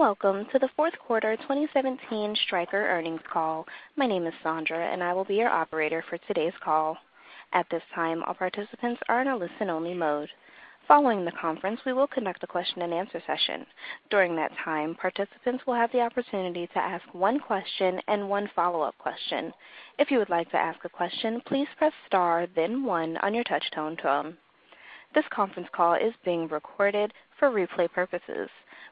Welcome to the fourth quarter 2017 Stryker earnings call. My name is Sandra, and I will be your operator for today's call. At this time, all participants are in a listen-only mode. Following the conference, we will conduct a question and answer session. During that time, participants will have the opportunity to ask one question and one follow-up question. If you would like to ask a question, please press star then one on your touch tone phone. This conference call is being recorded for replay purposes.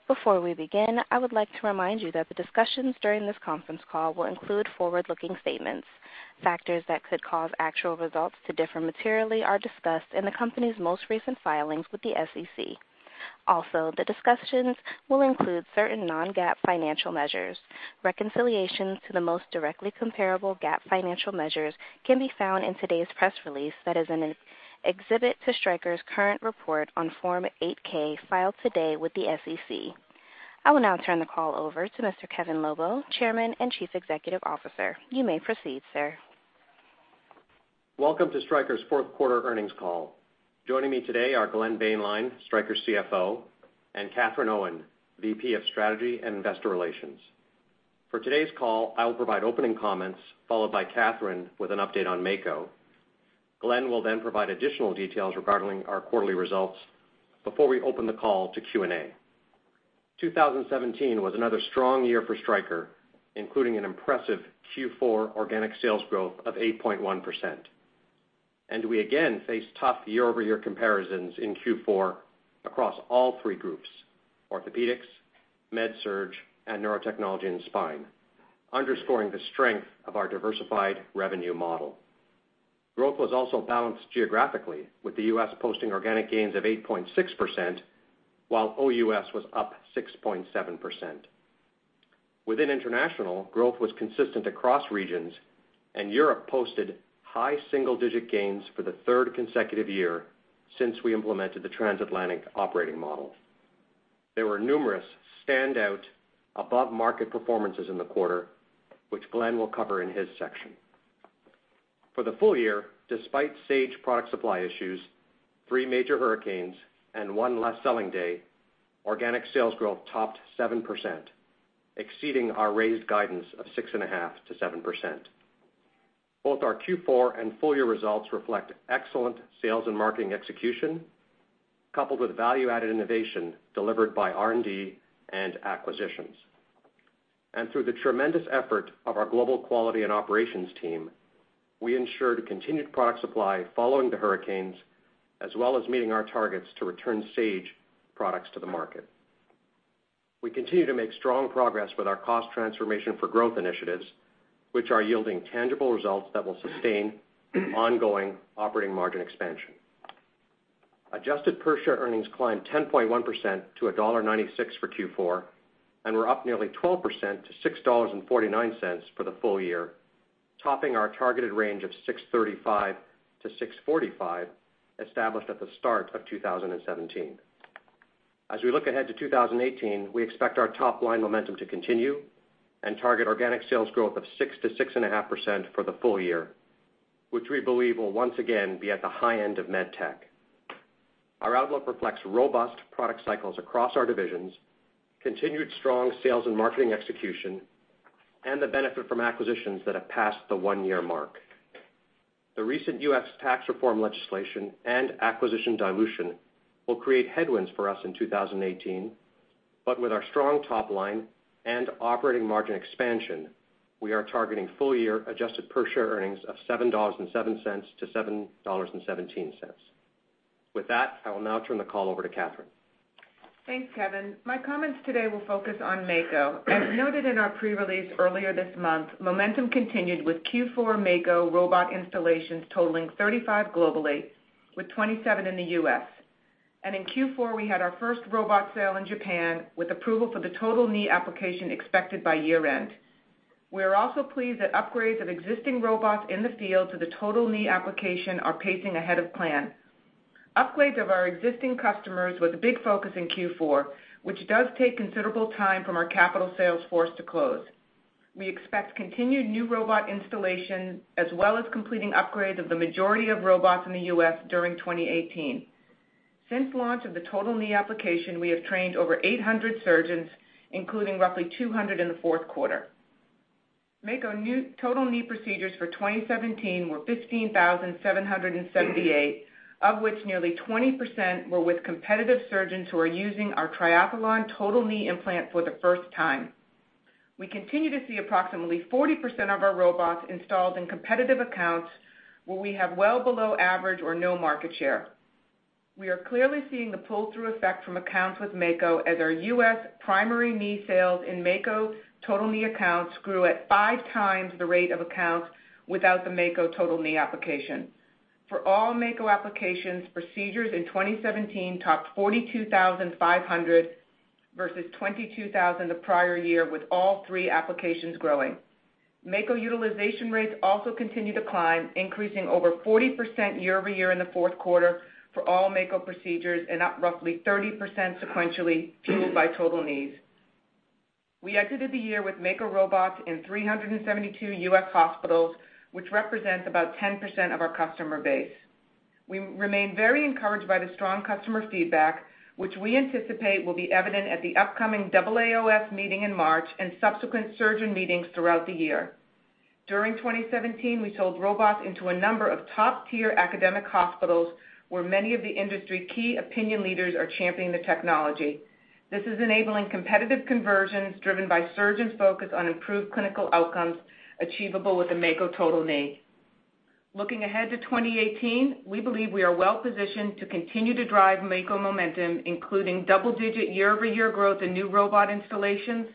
Before we begin, I would like to remind you that the discussions during this conference call will include forward-looking statements. Factors that could cause actual results to differ materially are discussed in the company's most recent filings with the SEC. Also, the discussions will include certain non-GAAP financial measures. Reconciliations to the most directly comparable GAAP financial measures can be found in today's press release that is in an exhibit to Stryker's current report on Form 8-K filed today with the SEC. I will now turn the call over to Mr. Kevin Lobo, Chairman and Chief Executive Officer. You may proceed, sir. Welcome to Stryker's fourth quarter earnings call. Joining me today are Glenn Boehnlein, Stryker's CFO, and Katherine Owen, VP of Strategy and Investor Relations. For today's call, I will provide opening comments followed by Katherine with an update on Mako. Glenn will then provide additional details regarding our quarterly results before we open the call to Q&A. 2017 was another strong year for Stryker, including an impressive Q4 organic sales growth of 8.1%. We again face tough year-over-year comparisons in Q4 across all three groups, orthopedics, med-surg, and neurotechnology and spine, underscoring the strength of our diversified revenue model. Growth was also balanced geographically, with the U.S. posting organic gains of 8.6%, while OUS was up 6.7%. Within international, growth was consistent across regions, and Europe posted high single-digit gains for the third consecutive year since we implemented the Transatlantic Operating Model. There were numerous standout above-market performances in the quarter, which Glenn will cover in his section. For the full year, despite Sage product supply issues, three major hurricanes, and one less selling day, organic sales growth topped 7%, exceeding our raised guidance of 6.5%-7%. Both our Q4 and full-year results reflect excellent sales and marketing execution, coupled with value-added innovation delivered by R&D and acquisitions. Through the tremendous effort of our global quality and operations team, we ensured continued product supply following the hurricanes, as well as meeting our targets to return Sage products to the market. We continue to make strong progress with our Cost Transformation for Growth initiatives, which are yielding tangible results that will sustain ongoing operating margin expansion. Adjusted per share earnings climbed 10.1% to $1.96 for Q4, and were up nearly 12% to $6.49 for the full year, topping our targeted range of $6.35 to $6.45 established at the start of 2017. We look ahead to 2018, we expect our top-line momentum to continue and target organic sales growth of 6%-6.5% for the full year, which we believe will once again be at the high end of med tech. Our outlook reflects robust product cycles across our divisions, continued strong sales and marketing execution, and the benefit from acquisitions that have passed the one-year mark. The recent U.S. tax reform legislation and acquisition dilution will create headwinds for us in 2018, but with our strong top line and operating margin expansion, we are targeting full-year adjusted per share earnings of $7.07 to $7.17. With that, I will now turn the call over to Katherine. Thanks, Kevin. My comments today will focus on Mako. As noted in our pre-release earlier this month, momentum continued with Q4 Mako robot installations totaling 35 globally, with 27 in the U.S. In Q4, we had our first robot sale in Japan, with approval for the total knee application expected by year-end. We are also pleased that upgrades of existing robots in the field to the total knee application are pacing ahead of plan. Upgrades of our existing customers was a big focus in Q4, which does take considerable time from our capital sales force to close. We expect continued new robot installation, as well as completing upgrades of the majority of robots in the U.S. during 2018. Since launch of the total knee application, we have trained over 800 surgeons, including roughly 200 in the fourth quarter. Mako total knee procedures for 2017 were 15,778, of which nearly 20% were with competitive surgeons who are using our Triathlon total knee implant for the first time. We continue to see approximately 40% of our robots installed in competitive accounts where we have well below average or no market share. We are clearly seeing the pull-through effect from accounts with Mako as our U.S. primary knee sales in Mako total knee accounts grew at five times the rate of accounts without the Mako total knee application. For all Mako applications, procedures in 2017 topped 42,500 versus 22,000 the prior year, with all three applications growing. Mako utilization rates also continue to climb, increasing over 40% year-over-year in the fourth quarter for all Mako procedures and up roughly 30% sequentially, fueled by total knees. We exited the year with Mako robots in 372 U.S. hospitals, which represents about 10% of our customer base. We remain very encouraged by the strong customer feedback, which we anticipate will be evident at the upcoming AAOS meeting in March and subsequent surgeon meetings throughout the year. During 2017, we sold robots into a number of top-tier academic hospitals where many of the industry key opinion leaders are championing the technology. This is enabling competitive conversions driven by surgeons focused on improved clinical outcomes achievable with the Mako Total Knee. Looking ahead to 2018, we believe we are well-positioned to continue to drive Mako momentum, including double-digit year-over-year growth in new robot installations,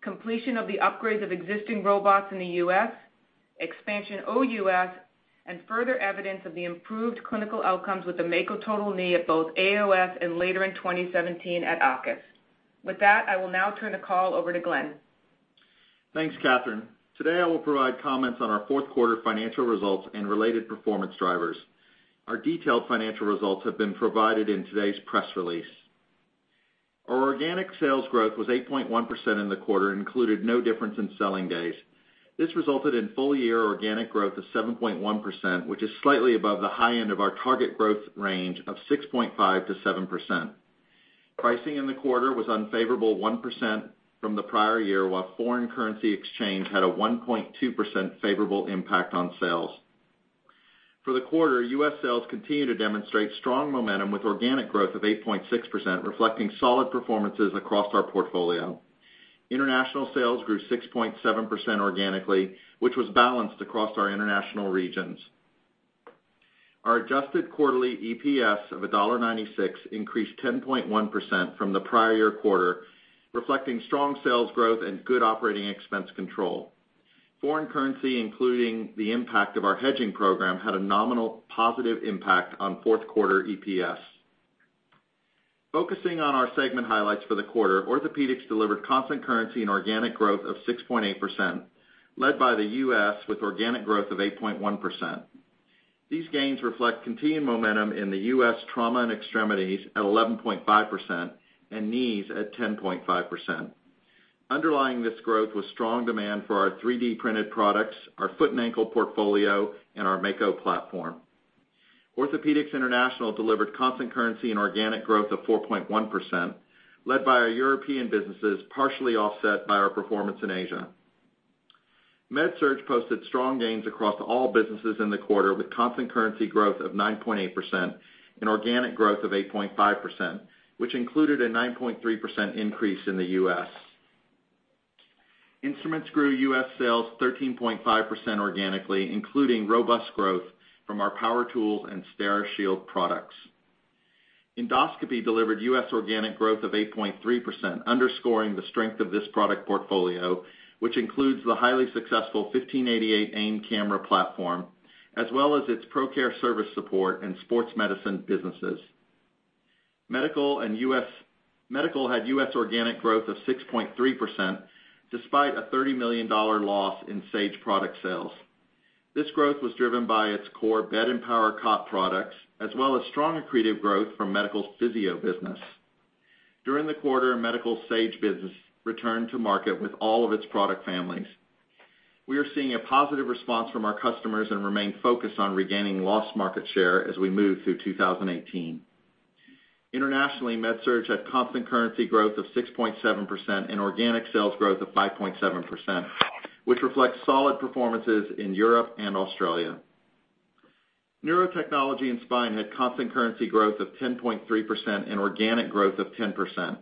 completion of the upgrades of existing robots in the U.S., expansion OUS, and further evidence of the improved clinical outcomes with the Mako Total Knee at both AAOS and later in 2017 at ACOS. With that, I will now turn the call over to Glenn. Thanks, Katherine. Today I will provide comments on our fourth quarter financial results and related performance drivers. Our detailed financial results have been provided in today's press release. Our organic sales growth was 8.1% in the quarter and included no difference in selling days. This resulted in full-year organic growth of 7.1%, which is slightly above the high end of our target growth range of 6.5%-7%. Pricing in the quarter was unfavorable 1% from the prior year, while foreign currency exchange had a 1.2% favorable impact on sales. For the quarter, U.S. sales continued to demonstrate strong momentum with organic growth of 8.6%, reflecting solid performances across our portfolio. International sales grew 6.7% organically, which was balanced across our international regions. Our adjusted quarterly EPS of $1.96 increased 10.1% from the prior year quarter, reflecting strong sales growth and good operating expense control. Foreign currency, including the impact of our hedging program, had a nominal positive impact on fourth quarter EPS. Focusing on our segment highlights for the quarter, Orthopedics delivered constant currency and organic growth of 6.8%, led by the U.S. with organic growth of 8.1%. These gains reflect continued momentum in the U.S. trauma and extremities at 11.5% and knees at 10.5%. Underlying this growth was strong demand for our 3D-printed products, our foot and ankle portfolio, and our Mako platform. Orthopedics International delivered constant currency and organic growth of 4.1%, led by our European businesses, partially offset by our performance in Asia. MedSurg posted strong gains across all businesses in the quarter, with constant currency growth of 9.8% and organic growth of 8.5%, which included a 9.3% increase in the U.S. Instruments grew U.S. sales 13.5% organically, including robust growth from our power tool and Steri-Shield products. Endoscopy delivered U.S. organic growth of 8.3%, underscoring the strength of this product portfolio, which includes the highly successful 1588 AIM camera platform, as well as its ProCare service support and sports medicine businesses. Medical had U.S. organic growth of 6.3%, despite a $30 million loss in Sage product sales. This growth was driven by its core bed and power cot products, as well as strong accretive growth from Medical's physio business. During the quarter, Medical's Sage business returned to market with all of its product families. We are seeing a positive response from our customers and remain focused on regaining lost market share as we move through 2018. Internationally, MedSurg had constant currency growth of 6.7% and organic sales growth of 5.7%, which reflects solid performances in Europe and Australia. Neurotechnology and Spine had constant currency growth of 10.3% and organic growth of 10%.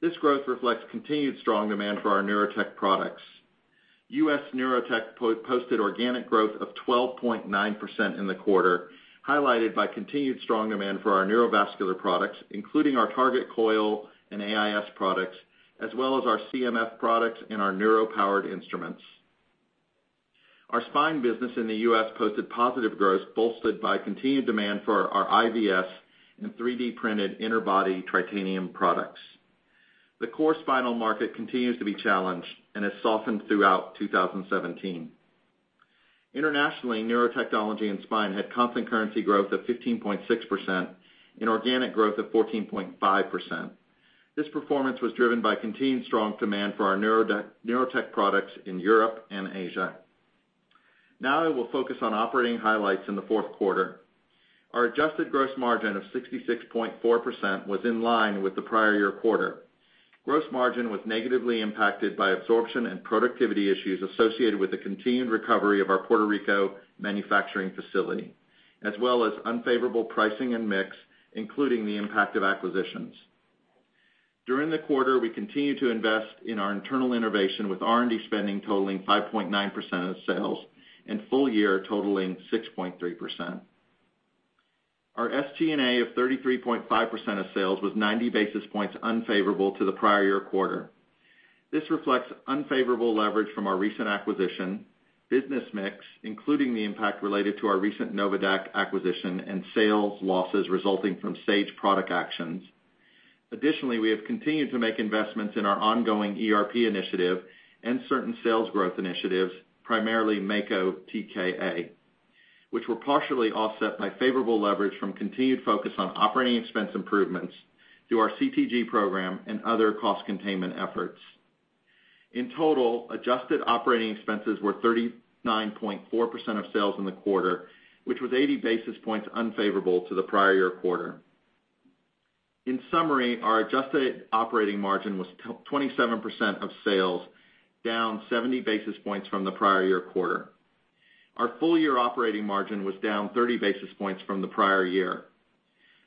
This growth reflects continued strong demand for our neurotech products. U.S. neurotech posted organic growth of 12.9% in the quarter, highlighted by continued strong demand for our neurovascular products, including our Target Coil and AIS products, as well as our CMF products and our neuro powered instruments. Our spine business in the U.S. posted positive growth, bolstered by continued demand for our IVS and 3D-printed interbody titanium products. The core spinal market continues to be challenged and has softened throughout 2017. Internationally, Neurotechnology and Spine had constant currency growth of 15.6% and organic growth of 14.5%. This performance was driven by continued strong demand for our neurotech products in Europe and Asia. I will focus on operating highlights in the fourth quarter. Our adjusted gross margin of 66.4% was in line with the prior year quarter. Gross margin was negatively impacted by absorption and productivity issues associated with the continued recovery of our Puerto Rico manufacturing facility, as well as unfavorable pricing and mix, including the impact of acquisitions. During the quarter, we continued to invest in our internal innovation with R&D spending totaling 5.9% of sales and full year totaling 6.3%. Our SG&A of 33.5% of sales was 90 basis points unfavorable to the prior year quarter. This reflects unfavorable leverage from our recent acquisition, business mix, including the impact related to our recent NOVADAQ acquisition, and sales losses resulting from Sage product actions. We have continued to make investments in our ongoing ERP initiative and certain sales growth initiatives, primarily Mako TKA, which were partially offset by favorable leverage from continued focus on operating expense improvements through our CTG program and other cost containment efforts. Adjusted operating expenses were 39.4% of sales in the quarter, which was 80 basis points unfavorable to the prior year quarter. Our adjusted operating margin was 27% of sales, down 70 basis points from the prior year quarter. Our full-year operating margin was down 30 basis points from the prior year.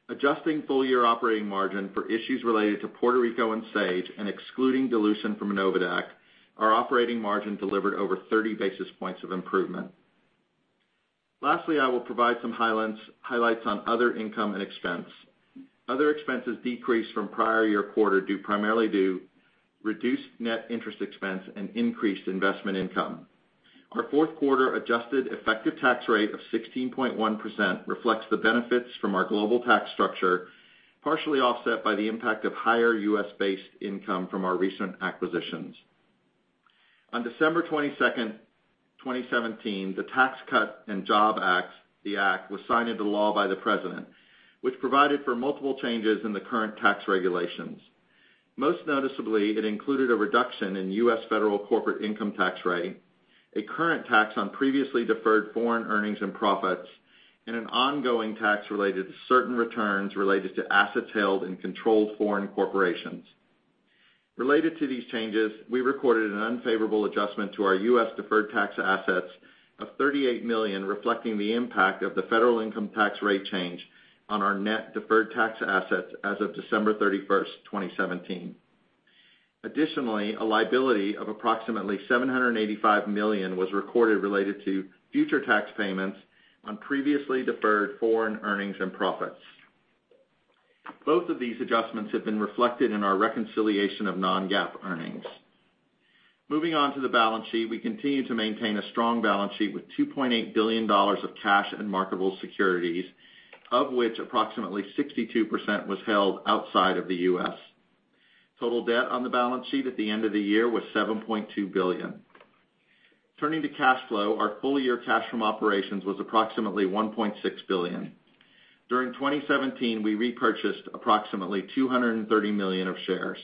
Adjusting full-year operating margin for issues related to Puerto Rico and Sage and excluding dilution from NOVADAQ, our operating margin delivered over 30 basis points of improvement. I will provide some highlights on other income and expense. Other expenses decreased from prior year quarter primarily due reduced net interest expense and increased investment income. Our fourth quarter adjusted effective tax rate of 16.1% reflects the benefits from our global tax structure, partially offset by the impact of higher U.S.-based income from our recent acquisitions. On December 22nd, 2017, the Tax Cuts and Jobs Act, the Act, was signed into law by the President, which provided for multiple changes in the current tax regulations. It included a reduction in U.S. federal corporate income tax rate, a current tax on previously deferred foreign earnings and profits, and an ongoing tax related to certain returns related to assets held in controlled foreign corporations. Related to these changes, we recorded an unfavorable adjustment to our U.S. deferred tax assets of $38 million, reflecting the impact of the federal income tax rate change on our net deferred tax assets as of December 31st, 2017. A liability of approximately $785 million was recorded related to future tax payments on previously deferred foreign earnings and profits. Both of these adjustments have been reflected in our reconciliation of non-GAAP earnings. Moving on to the balance sheet, we continue to maintain a strong balance sheet with $2.8 billion of cash and marketable securities, of which approximately 62% was held outside of the U.S. Total debt on the balance sheet at the end of the year was $7.2 billion. Turning to cash flow, our full-year cash from operations was approximately $1.6 billion. During 2017, we repurchased approximately $230 million of shares.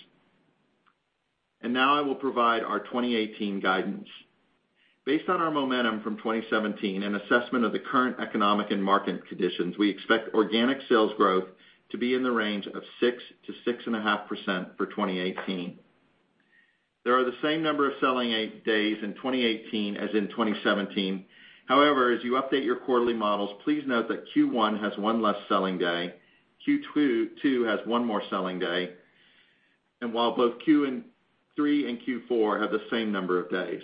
Now I will provide our 2018 guidance. Based on our momentum from 2017 and assessment of the current economic and market conditions, we expect organic sales growth to be in the range of 6%-6.5% for 2018. There are the same number of selling days in 2018 as in 2017. As you update your quarterly models, please note that Q1 has one less selling day, Q2 has one more selling day, and while both Q3 and Q4 have the same number of days.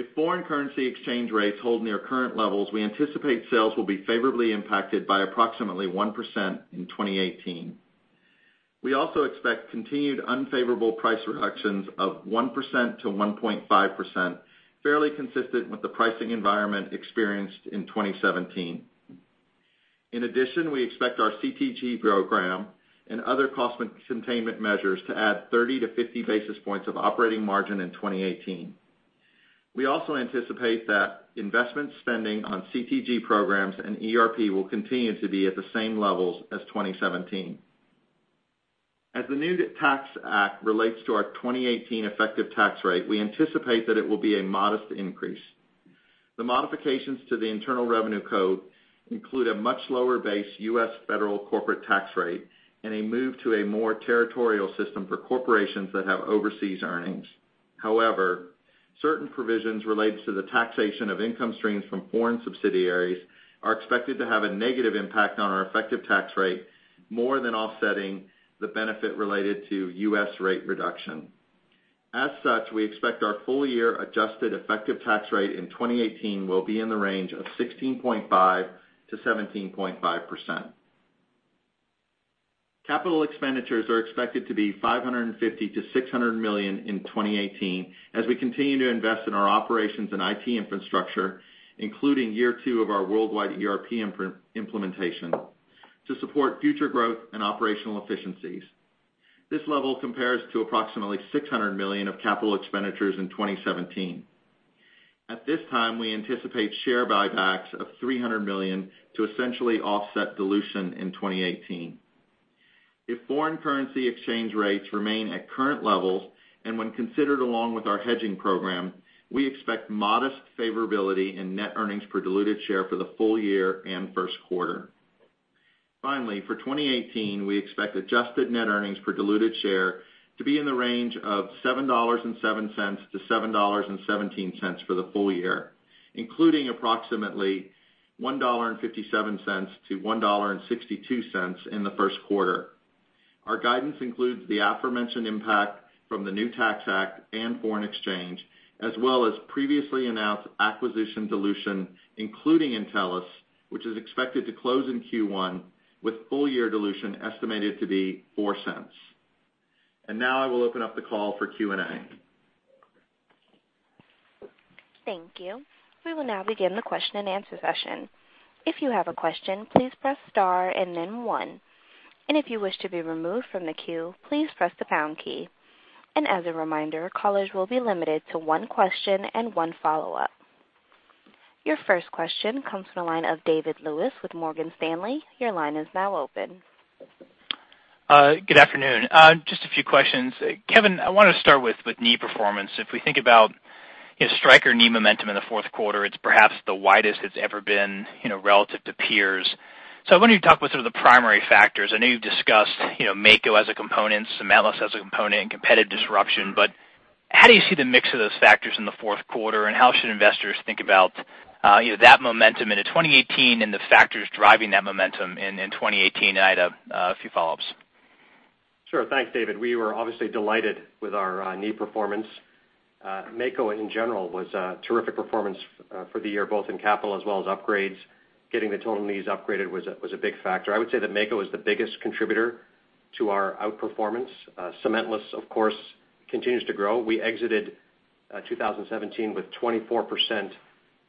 If foreign currency exchange rates hold near current levels, we anticipate sales will be favorably impacted by approximately 1% in 2018. We also expect continued unfavorable price reductions of 1%-1.5%, fairly consistent with the pricing environment experienced in 2017. In addition, we expect our CTG program and other cost containment measures to add 30-50 basis points of operating margin in 2018. We also anticipate that investment spending on CTG programs and ERP will continue to be at the same levels as 2017. As the new Tax Act relates to our 2018 effective tax rate, we anticipate that it will be a modest increase. The modifications to the Internal Revenue Code include a much lower base U.S. federal corporate tax rate and a move to a more territorial system for corporations that have overseas earnings. Certain provisions related to the taxation of income streams from foreign subsidiaries are expected to have a negative impact on our effective tax rate, more than offsetting the benefit related to U.S. rate reduction. We expect our full-year adjusted effective tax rate in 2018 will be in the range of 16.5%-17.5%. Capital expenditures are expected to be $550 million-$600 million in 2018 as we continue to invest in our operations and IT infrastructure, including year two of our worldwide ERP implementation to support future growth and operational efficiencies. This level compares to approximately $600 million of capital expenditures in 2017. At this time, we anticipate share buybacks of $300 million to essentially offset dilution in 2018. If foreign currency exchange rates remain at current levels and when considered along with our hedging program, we expect modest favorability in net earnings per diluted share for the full year and first quarter. For 2018, we expect adjusted net earnings per diluted share to be in the range of $7.7-$7.17 for the full year, including approximately $1.57-$1.62 in the first quarter. Our guidance includes the aforementioned impact from the new Tax Act and foreign exchange, as well as previously announced acquisition dilution, including Entellus, which is expected to close in Q1, with full-year dilution estimated to be $0.04. Now I will open up the call for Q&A. Thank you. We will now begin the question-and-answer session. If you have a question, please press star and then one. If you wish to be removed from the queue, please press the pound key. As a reminder, calls will be limited to one question and one follow-up. Your first question comes from the line of David Lewis with Morgan Stanley. Your line is now open. Good afternoon. Just a few questions. Kevin, I want to start with knee performance. If we think about Stryker knee momentum in the fourth quarter, it's perhaps the widest it's ever been relative to peers. I wonder if you can talk about some of the primary factors. I know you've discussed Mako as a component, cementless as a component, and competitive disruption, but how do you see the mix of those factors in the fourth quarter, and how should investors think about that momentum into 2018 and the factors driving that momentum in 2018? I had a few follow-ups. Sure. Thanks, David. We were obviously delighted with our knee performance. Mako, in general, was a terrific performance for the year, both in capital as well as upgrades. Getting the total knees upgraded was a big factor. I would say that Mako is the biggest contributor to our outperformance. Cementless, of course, continues to grow. We exited 2017 with 24%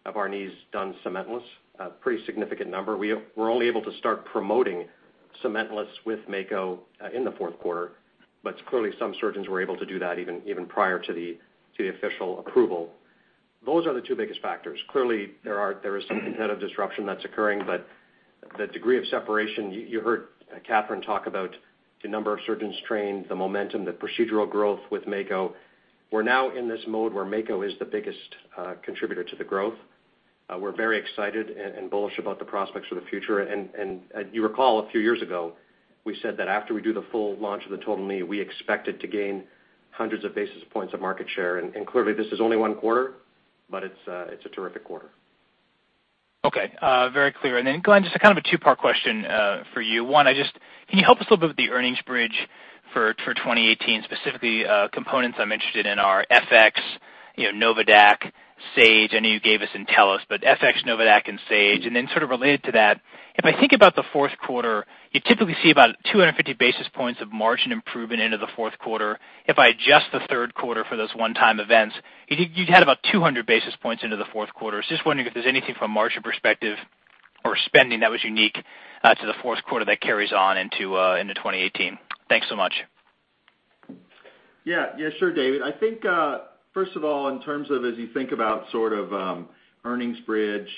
of our knees done cementless, a pretty significant number. We were only able to start promoting cementless with Mako in the fourth quarter, but clearly some surgeons were able to do that even prior to the official approval. Those are the two biggest factors. Clearly, there is some competitive disruption that's occurring, but the degree of separation, you heard Katherine talk about the number of surgeons trained, the momentum, the procedural growth with Mako. We're now in this mode where Mako is the biggest contributor to the growth. We're very excited and bullish about the prospects for the future. You recall, a few years ago, we said that after we do the full launch of the total knee, we expected to gain hundreds of basis points of market share. Clearly, this is only one quarter, but it's a terrific quarter. Okay. Very clear. Glenn, just a kind of a two-part question for you. One, can you help us a little bit with the earnings bridge for 2018? Specifically, components I'm interested in are FX, NOVADAQ, Sage. I know you gave us Entellus, but FX, NOVADAQ and Sage. Sort of related to that, if I think about the fourth quarter, you typically see about 250 basis points of margin improvement into the fourth quarter. If I adjust the third quarter for those one-time events, you'd have about 200 basis points into the fourth quarter. Just wondering if there's anything from a margin perspective or spending that was unique to the fourth quarter that carries on into 2018. Thanks so much. Yeah. Sure, David. I think, first of all, in terms of as you think about sort of earnings bridge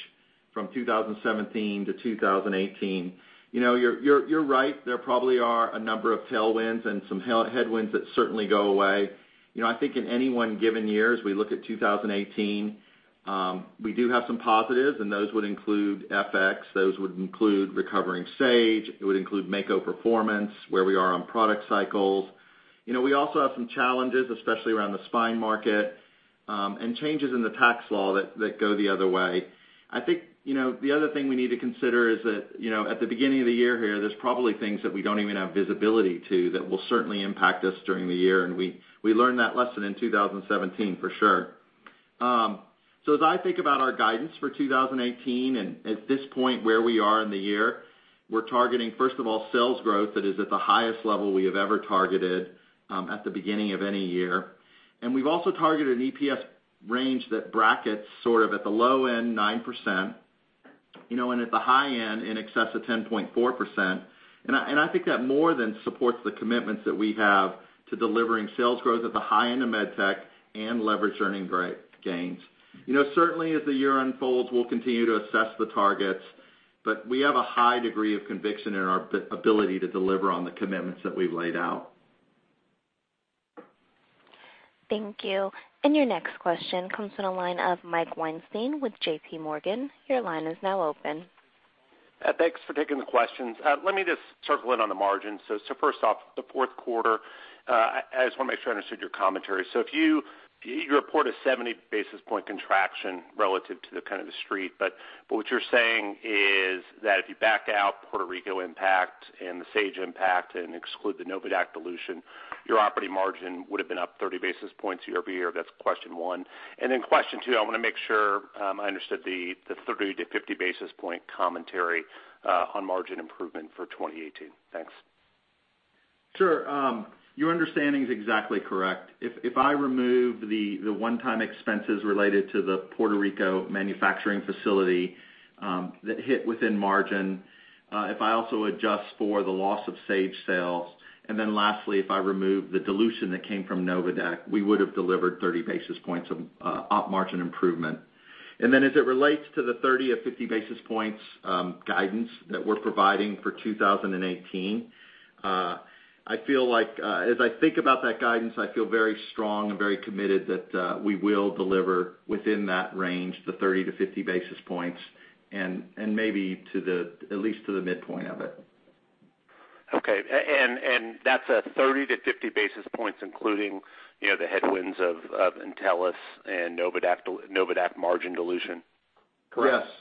from 2017 to 2018, you're right. There probably are a number of tailwinds and some headwinds that certainly go away. I think in any one given year, as we look at 2018, we do have some positives, and those would include FX, those would include recovering Sage, it would include Mako performance, where we are on product cycles. We also have some challenges, especially around the spine market, and changes in the tax law that go the other way. I think the other thing we need to consider is that at the beginning of the year here, there's probably things that we don't even have visibility to that will certainly impact us during the year, and we learned that lesson in 2017 for sure. As I think about our guidance for 2018 and at this point where we are in the year, we're targeting, first of all, sales growth that is at the highest level we have ever targeted at the beginning of any year. We've also targeted an EPS range that brackets sort of at the low end 9%, and at the high end, in excess of 10.4%. I think that more than supports the commitments that we have to delivering sales growth at the high end of med tech and leverage earning gains. Certainly, as the year unfolds, we'll continue to assess the targets, but we have a high degree of conviction in our ability to deliver on the commitments that we've laid out. Thank you. Your next question comes from the line of Mike Weinstein with JP Morgan. Your line is now open. Thanks for taking the questions. Let me just circle in on the margins. First off, the fourth quarter, I just want to make sure I understood your commentary. You report a 70 basis point contraction relative to the kind of the street. What you're saying is that if you back out Puerto Rico impact and the Sage impact and exclude the NOVADAQ dilution, your operating margin would have been up 30 basis points year-over-year. That's question one. Question two, I want to make sure I understood the 30 to 50 basis point commentary on margin improvement for 2018. Thanks. Sure. Your understanding is exactly correct. If I remove the one-time expenses related to the Puerto Rico manufacturing facility that hit within margin, if I also adjust for the loss of Sage sales, lastly, if I remove the dilution that came from NOVADAQ, we would have delivered 30 basis points of op margin improvement. As it relates to the 30 to 50 basis points guidance that we're providing for 2018, as I think about that guidance, I feel very strong and very committed that we will deliver within that range, the 30 to 50 basis points, and maybe at least to the midpoint of it. Okay. That's a 30 to 50 basis points, including the headwinds of Entellus and NOVADAQ margin dilution? Correct. Yes.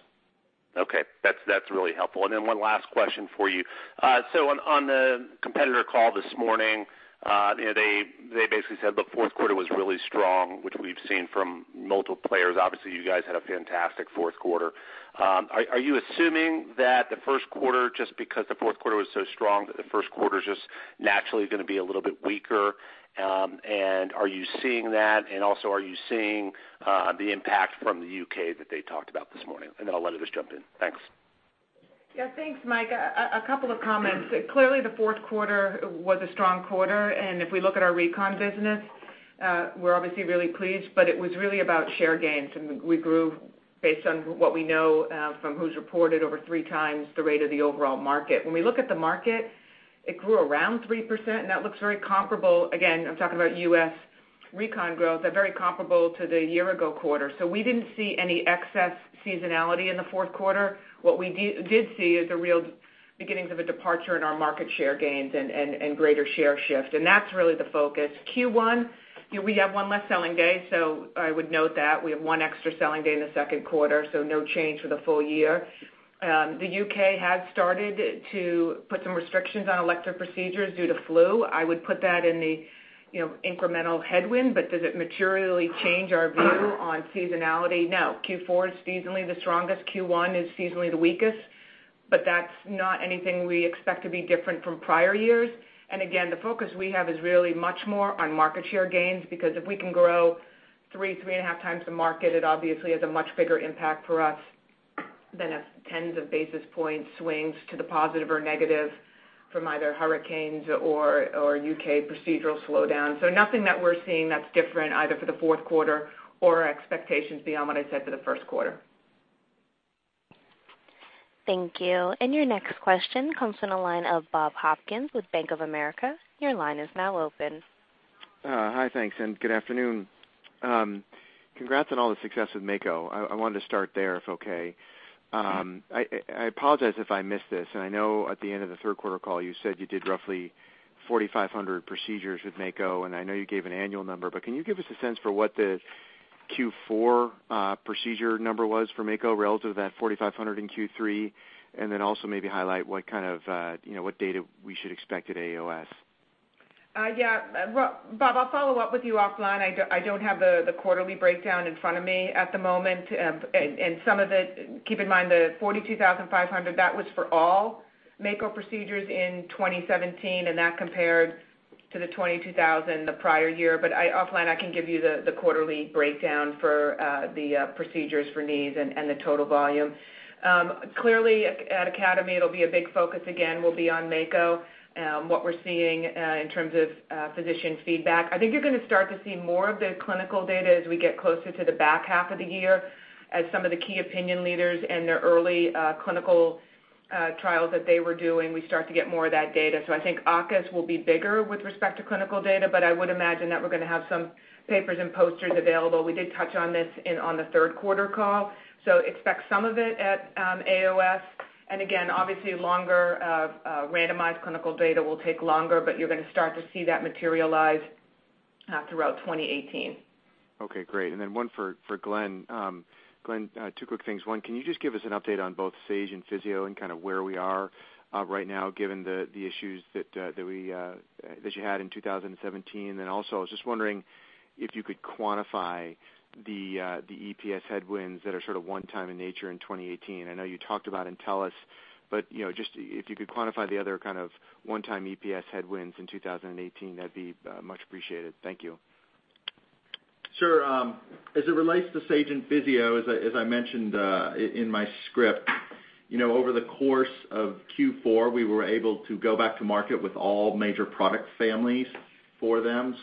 Okay. That's really helpful. One last question for you. On the competitor call this morning, they basically said the fourth quarter was really strong, which we've seen from multiple players. Obviously, you guys had a fantastic fourth quarter. Are you assuming that the first quarter, just because the fourth quarter was so strong, that the first quarter's just naturally going to be a little bit weaker? Are you seeing that? Also, are you seeing the impact from the U.K. that they talked about this morning? I'll let others jump in. Thanks. Thanks, Mike. A couple of comments. Clearly, the fourth quarter was a strong quarter, and if we look at our recon business, we're obviously really pleased, but it was really about share gains. We grew based on what we know from who's reported over three times the rate of the overall market. When we look at the market, it grew around 3%, and that looks very comparable. Again, I'm talking about U.S. recon growth, very comparable to the year-ago quarter. We didn't see any excess seasonality in the fourth quarter. What we did see is the real beginnings of a departure in our market share gains and greater share shift, and that's really the focus. Q1, we have one less selling day, so I would note that. We have one extra selling day in the second quarter, so no change for the full year. The U.K. has started to put some restrictions on elective procedures due to flu. I would put that in the incremental headwind, does it materially change our view on seasonality? No. Q4 is seasonally the strongest. Q1 is seasonally the weakest, but that's not anything we expect to be different from prior years. Again, the focus we have is really much more on market share gains, because if we can grow three, 3.5 times the market, it obviously has a much bigger impact for us than if tens of basis points swings to the positive or negative from either hurricanes or U.K. procedural slowdown. Nothing that we're seeing that's different either for the fourth quarter or our expectations beyond what I said for the first quarter. Thank you. Your next question comes from the line of Bob Hopkins with Bank of America. Your line is now open. Hi, thanks, good afternoon. Congrats on all the success with Mako. I wanted to start there, if okay. I apologize if I missed this, I know at the end of the third quarter call, you said you did roughly 4,500 procedures with Mako, I know you gave an annual number, but can you give us a sense for what the Q4 procedure number was for Mako relative to that 4,500 in Q3? Also maybe highlight what data we should expect at AAOS. Yeah. Bob, I'll follow up with you offline. I don't have the quarterly breakdown in front of me at the moment. Some of it, keep in mind, the 42,500, that was for all Mako procedures in 2017, and that compared to the 22,000 the prior year. Offline, I can give you the quarterly breakdown for the procedures for knees and the total volume. Clearly, at Academy, it'll be a big focus again, will be on Mako, what we're seeing in terms of physician feedback. I think you're going to start to see more of the clinical data as we get closer to the back half of the year, as some of the key opinion leaders and their early clinical trials that they were doing, we start to get more of that data. I think AAOS will be bigger with respect to clinical data, but I would imagine that we're going to have some papers and posters available. We did touch on this on the third quarter call. Expect some of it at AAOS. Again, obviously, longer randomized clinical data will take longer, but you're going to start to see that materialize throughout 2018. Okay, great. One for Glenn. Glenn, two quick things. One, can you just give us an update on both Sage and Physio-Control and kind of where we are right now, given the issues that you had in 2017? Also, I was just wondering if you could quantify the EPS headwinds that are sort of one-time in nature in 2018. I know you talked about Entellus, but just if you could quantify the other kind of one-time EPS headwinds in 2018, that'd be much appreciated. Thank you. Sure. As it relates to Sage and Physio-Control, as I mentioned in my script, over the course of Q4, we were able to go back to market with all major product families for them.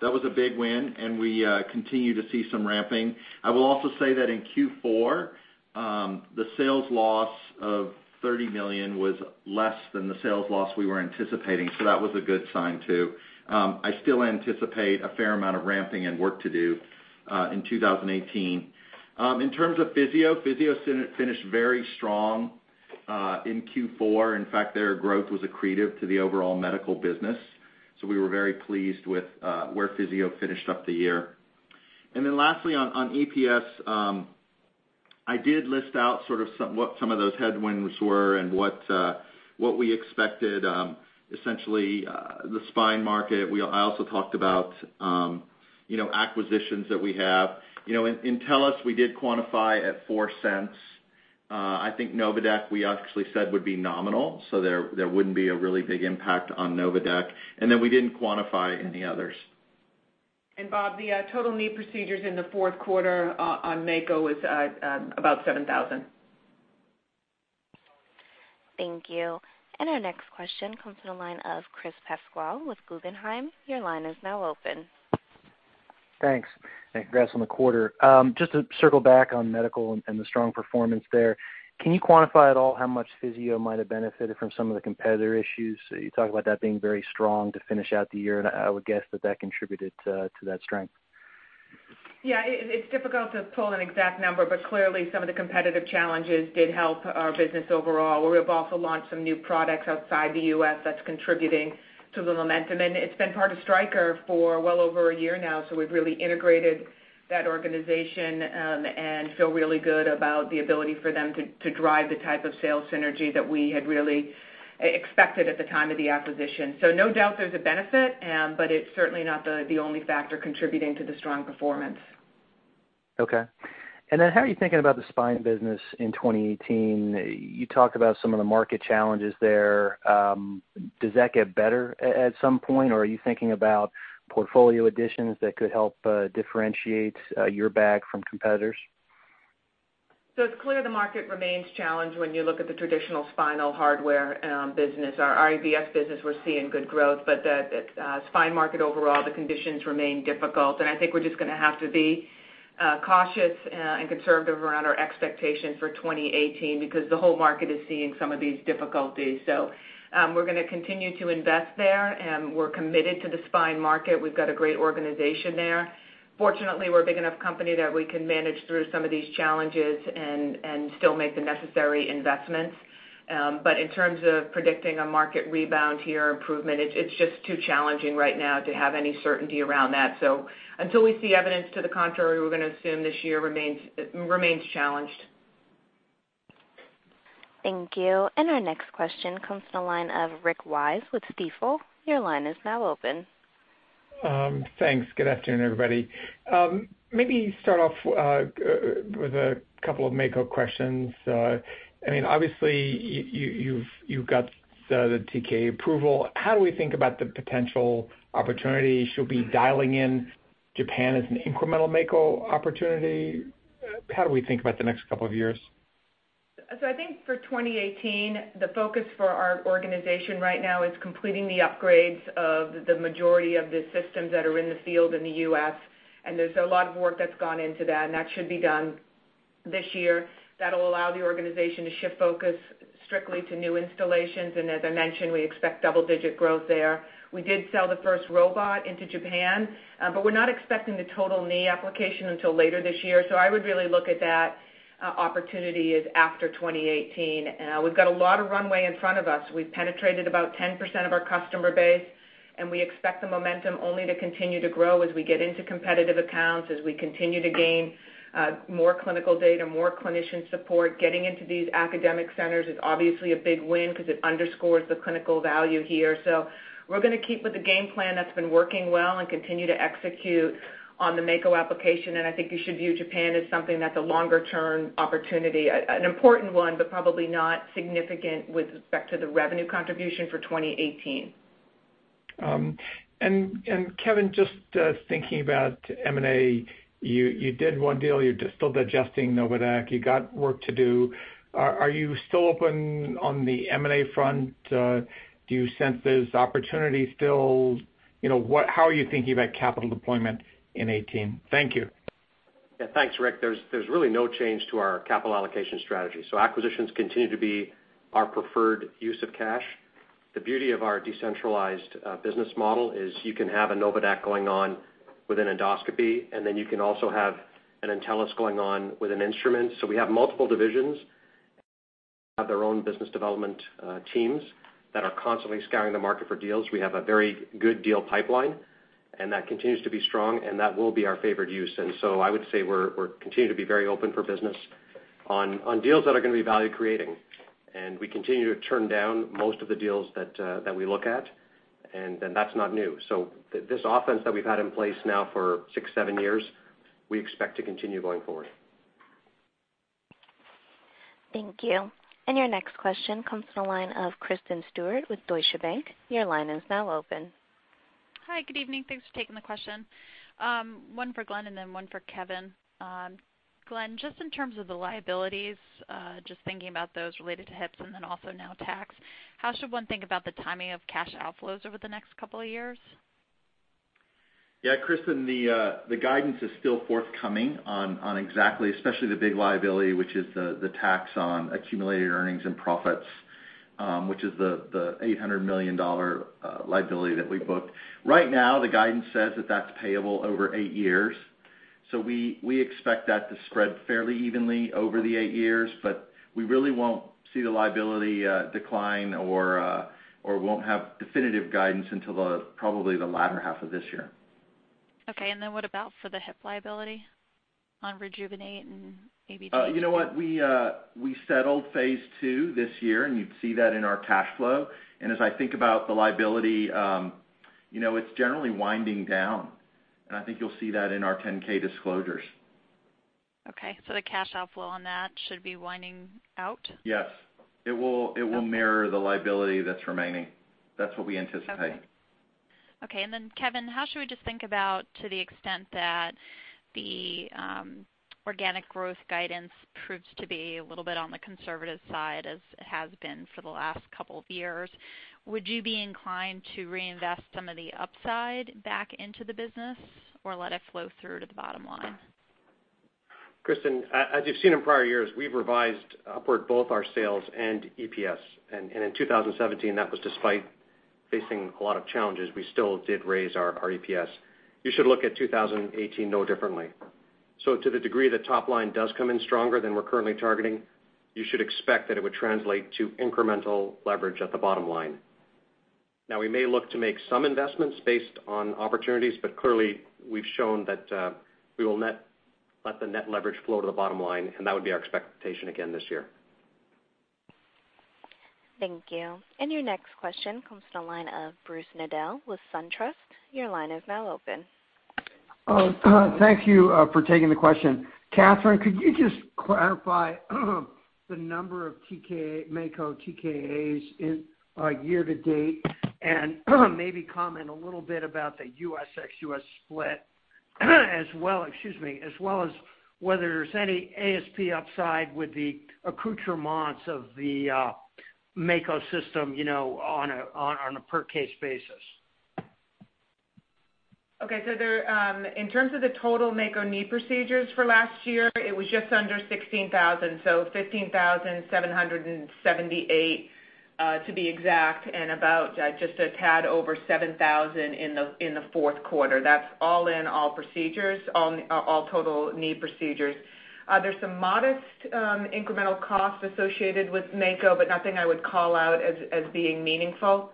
That was a big win, and we continue to see some ramping. I will also say that in Q4, the sales loss of $30 million was less than the sales loss we were anticipating, so that was a good sign, too. I still anticipate a fair amount of ramping and work to do in 2018. In terms of Physio-Control, Physio-Control finished very strong in Q4. In fact, their growth was accretive to the overall medical business, so we were very pleased with where Physio-Control finished up the year. Lastly, on EPS, I did list out sort of what some of those headwinds were and what we expected. Essentially, the spine market. I also talked about acquisitions that we have. Entellus, we did quantify at $0.04. I think NOVADAQ, we actually said would be nominal, so there wouldn't be a really big impact on NOVADAQ. Then we didn't quantify any others. Bob, the total knee procedures in the fourth quarter on Mako was about 7,000. Thank you. Our next question comes from the line of Chris Pasquale with Guggenheim. Your line is now open. Thanks. Congrats on the quarter. Just to circle back on medical and the strong performance there, can you quantify at all how much Physio-Control might have benefited from some of the competitor issues? You talked about that being very strong to finish out the year, and I would guess that that contributed to that strength. Yeah, it's difficult to pull an exact number, but clearly some of the competitive challenges did help our business overall. We've also launched some new products outside the U.S. that's contributing to the momentum. It's been part of Stryker for well over a year now, so we've really integrated that organization and feel really good about the ability for them to drive the type of sales synergy that we had really expected at the time of the acquisition. No doubt there's a benefit, but it's certainly not the only factor contributing to the strong performance. Okay. How are you thinking about the spine business in 2018? You talked about some of the market challenges there. Does that get better at some point, or are you thinking about portfolio additions that could help differentiate your bag from competitors? It's clear the market remains challenged when you look at the traditional spinal hardware business. Our IVS business, we're seeing good growth, but the spine market overall, the conditions remain difficult. I think we're just going to have to be cautious and conservative around our expectations for 2018 because the whole market is seeing some of these difficulties. We're going to continue to invest there, and we're committed to the spine market. We've got a great organization there. Fortunately, we're a big enough company that we can manage through some of these challenges and still make the necessary investments. In terms of predicting a market rebound here, improvement, it's just too challenging right now to have any certainty around that. Until we see evidence to the contrary, we're going to assume this year remains challenged. Thank you. Our next question comes to the line of Rick Wise with Stifel. Your line is now open. Thanks. Good afternoon, everybody. Maybe start off with a couple of Mako questions. Obviously, you've got the TK approval. How do we think about the potential opportunities? Should we be dialing in Japan as an incremental Mako opportunity? How do we think about the next couple of years? I think for 2018, the focus for our organization right now is completing the upgrades of the majority of the systems that are in the field in the U.S., and there's a lot of work that's gone into that, and that should be done this year. That'll allow the organization to shift focus strictly to new installations, and as I mentioned, we expect double-digit growth there. We did sell the first robot into Japan, but we're not expecting the total knee application until later this year, so I would really look at that opportunity as after 2018. We've got a lot of runway in front of us. We've penetrated about 10% of our customer base, and we expect the momentum only to continue to grow as we get into competitive accounts, as we continue to gain more clinical data, more clinician support. Getting into these academic centers is obviously a big win because it underscores the clinical value here. We're going to keep with the game plan that's been working well and continue to execute on the Mako application, and I think you should view Japan as something that's a longer-term opportunity, an important one, but probably not significant with respect to the revenue contribution for 2018. Kevin, just thinking about M&A, you did one deal. You're still digesting NOVADAQ. You got work to do. Are you still open on the M&A front? Do you sense there's opportunity still? How are you thinking about capital deployment in 2018? Thank you. Yeah. Thanks, Rick. There's really no change to our capital allocation strategy. Acquisitions continue to be our preferred use of cash. The beauty of our decentralized business model is you can have a NOVADAQ going on within endoscopy, and then you can also have an Entellus going on with an instrument. We have multiple divisions have their own business development teams that are constantly scouring the market for deals. We have a very good deal pipeline, and that continues to be strong, and that will be our favored use. I would say we continue to be very open for business on deals that are going to be value-creating. We continue to turn down most of the deals that we look at, and that's not new. This offense that we've had in place now for six, seven years, we expect to continue going forward. Thank you. Your next question comes from the line of Kristen Stewart with Deutsche Bank. Your line is now open. Hi, good evening. Thanks for taking the question. One for Glenn and then one for Kevin. Glenn, just in terms of the liabilities, just thinking about those related to hips and then also now tax, how should one think about the timing of cash outflows over the next couple of years? Yeah, Kristen, the guidance is still forthcoming on exactly, especially the big liability, which is the tax on accumulated earnings and profits, which is the $800 million liability that we booked. Right now, the guidance says that that's payable over eight years. We expect that to spread fairly evenly over the eight years, but we really won't see the liability decline or won't have definitive guidance until probably the latter half of this year. Okay, what about for the hip liability on Rejuvenate and ABG II? You know what, we settled phase II this year, you'd see that in our cash flow. As I think about the liability, it's generally winding down. I think you'll see that in our 10-K disclosures. Okay. The cash outflow on that should be winding out? Yes. It will mirror the liability that's remaining. That's what we anticipate. Kevin, how should we just think about to the extent that the organic growth guidance proves to be a little bit on the conservative side as it has been for the last couple of years? Would you be inclined to reinvest some of the upside back into the business or let it flow through to the bottom line? Kristen, as you've seen in prior years, we've revised upward both our sales and EPS. In 2017, that was despite facing a lot of challenges, we still did raise our EPS. You should look at 2018 no differently. To the degree the top line does come in stronger than we're currently targeting, you should expect that it would translate to incremental leverage at the bottom line. Now, we may look to make some investments based on opportunities, clearly, we've shown that we will let the net leverage flow to the bottom line, and that would be our expectation again this year. Thank you. Your next question comes to the line of Bruce Nudell with SunTrust. Your line is now open. Thank you for taking the question. Katherine, could you just clarify The number of Mako TKAs in year to date, and maybe comment a little bit about the U.S., ex-U.S. split as well, excuse me, as well as whether there's any ASP upside with the accoutrements of the Mako system on a per case basis. Okay. In terms of the total Mako knee procedures for last year, it was just under 16,000, so 15,778 to be exact, and about just a tad over 7,000 in the fourth quarter. That's all in all procedures, all total knee procedures. There's some modest incremental cost associated with Mako, but nothing I would call out as being meaningful.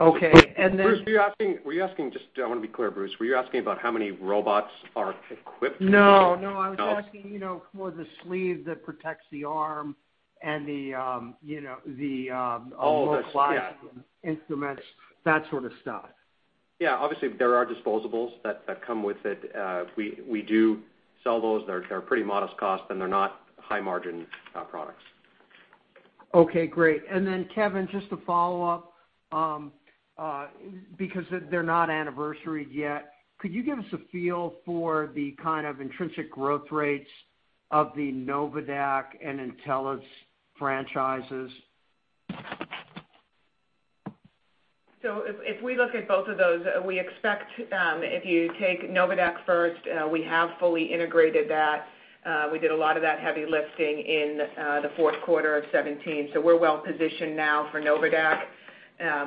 Okay. Bruce, were you asking, just I want to be clear, Bruce, were you asking about how many robots are equipped? No, I was asking for the sleeve that protects the arm and. Oh, the supplies. Instruments, that sort of stuff. Yeah. Obviously, there are disposables that come with it. We do sell those. They're pretty modest cost, and they're not high margin products. Okay, great. Kevin, just to follow up, because they're not anniversaried yet, could you give us a feel for the kind of intrinsic growth rates of the NOVADAQ and Entellus franchises? If we look at both of those, we expect, if you take NOVADAQ first, we have fully integrated that. We did a lot of that heavy lifting in the fourth quarter of 2017. We're well positioned now for NOVADAQ.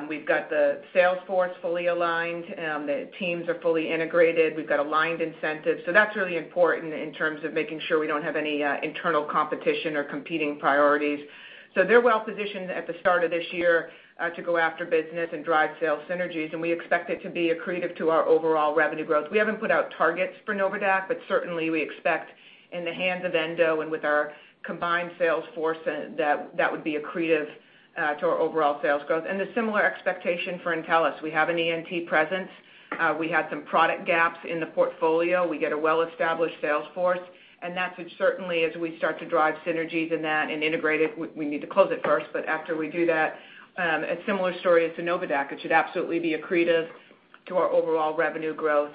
We've got the sales force fully aligned. The teams are fully integrated. We've got aligned incentives. That's really important in terms of making sure we don't have any internal competition or competing priorities. They're well positioned at the start of this year to go after business and drive sales synergies, and we expect it to be accretive to our overall revenue growth. We haven't put out targets for NOVADAQ, but certainly we expect in the hands of Endo and with our combined sales force, that would be accretive to our overall sales growth. A similar expectation for Entellus. We have an ENT presence. We had some product gaps in the portfolio. We get a well-established sales force, that should certainly, as we start to drive synergies in that and integrate it, we need to close it first, but after we do that, a similar story as to NOVADAQ. It should absolutely be accretive to our overall revenue growth,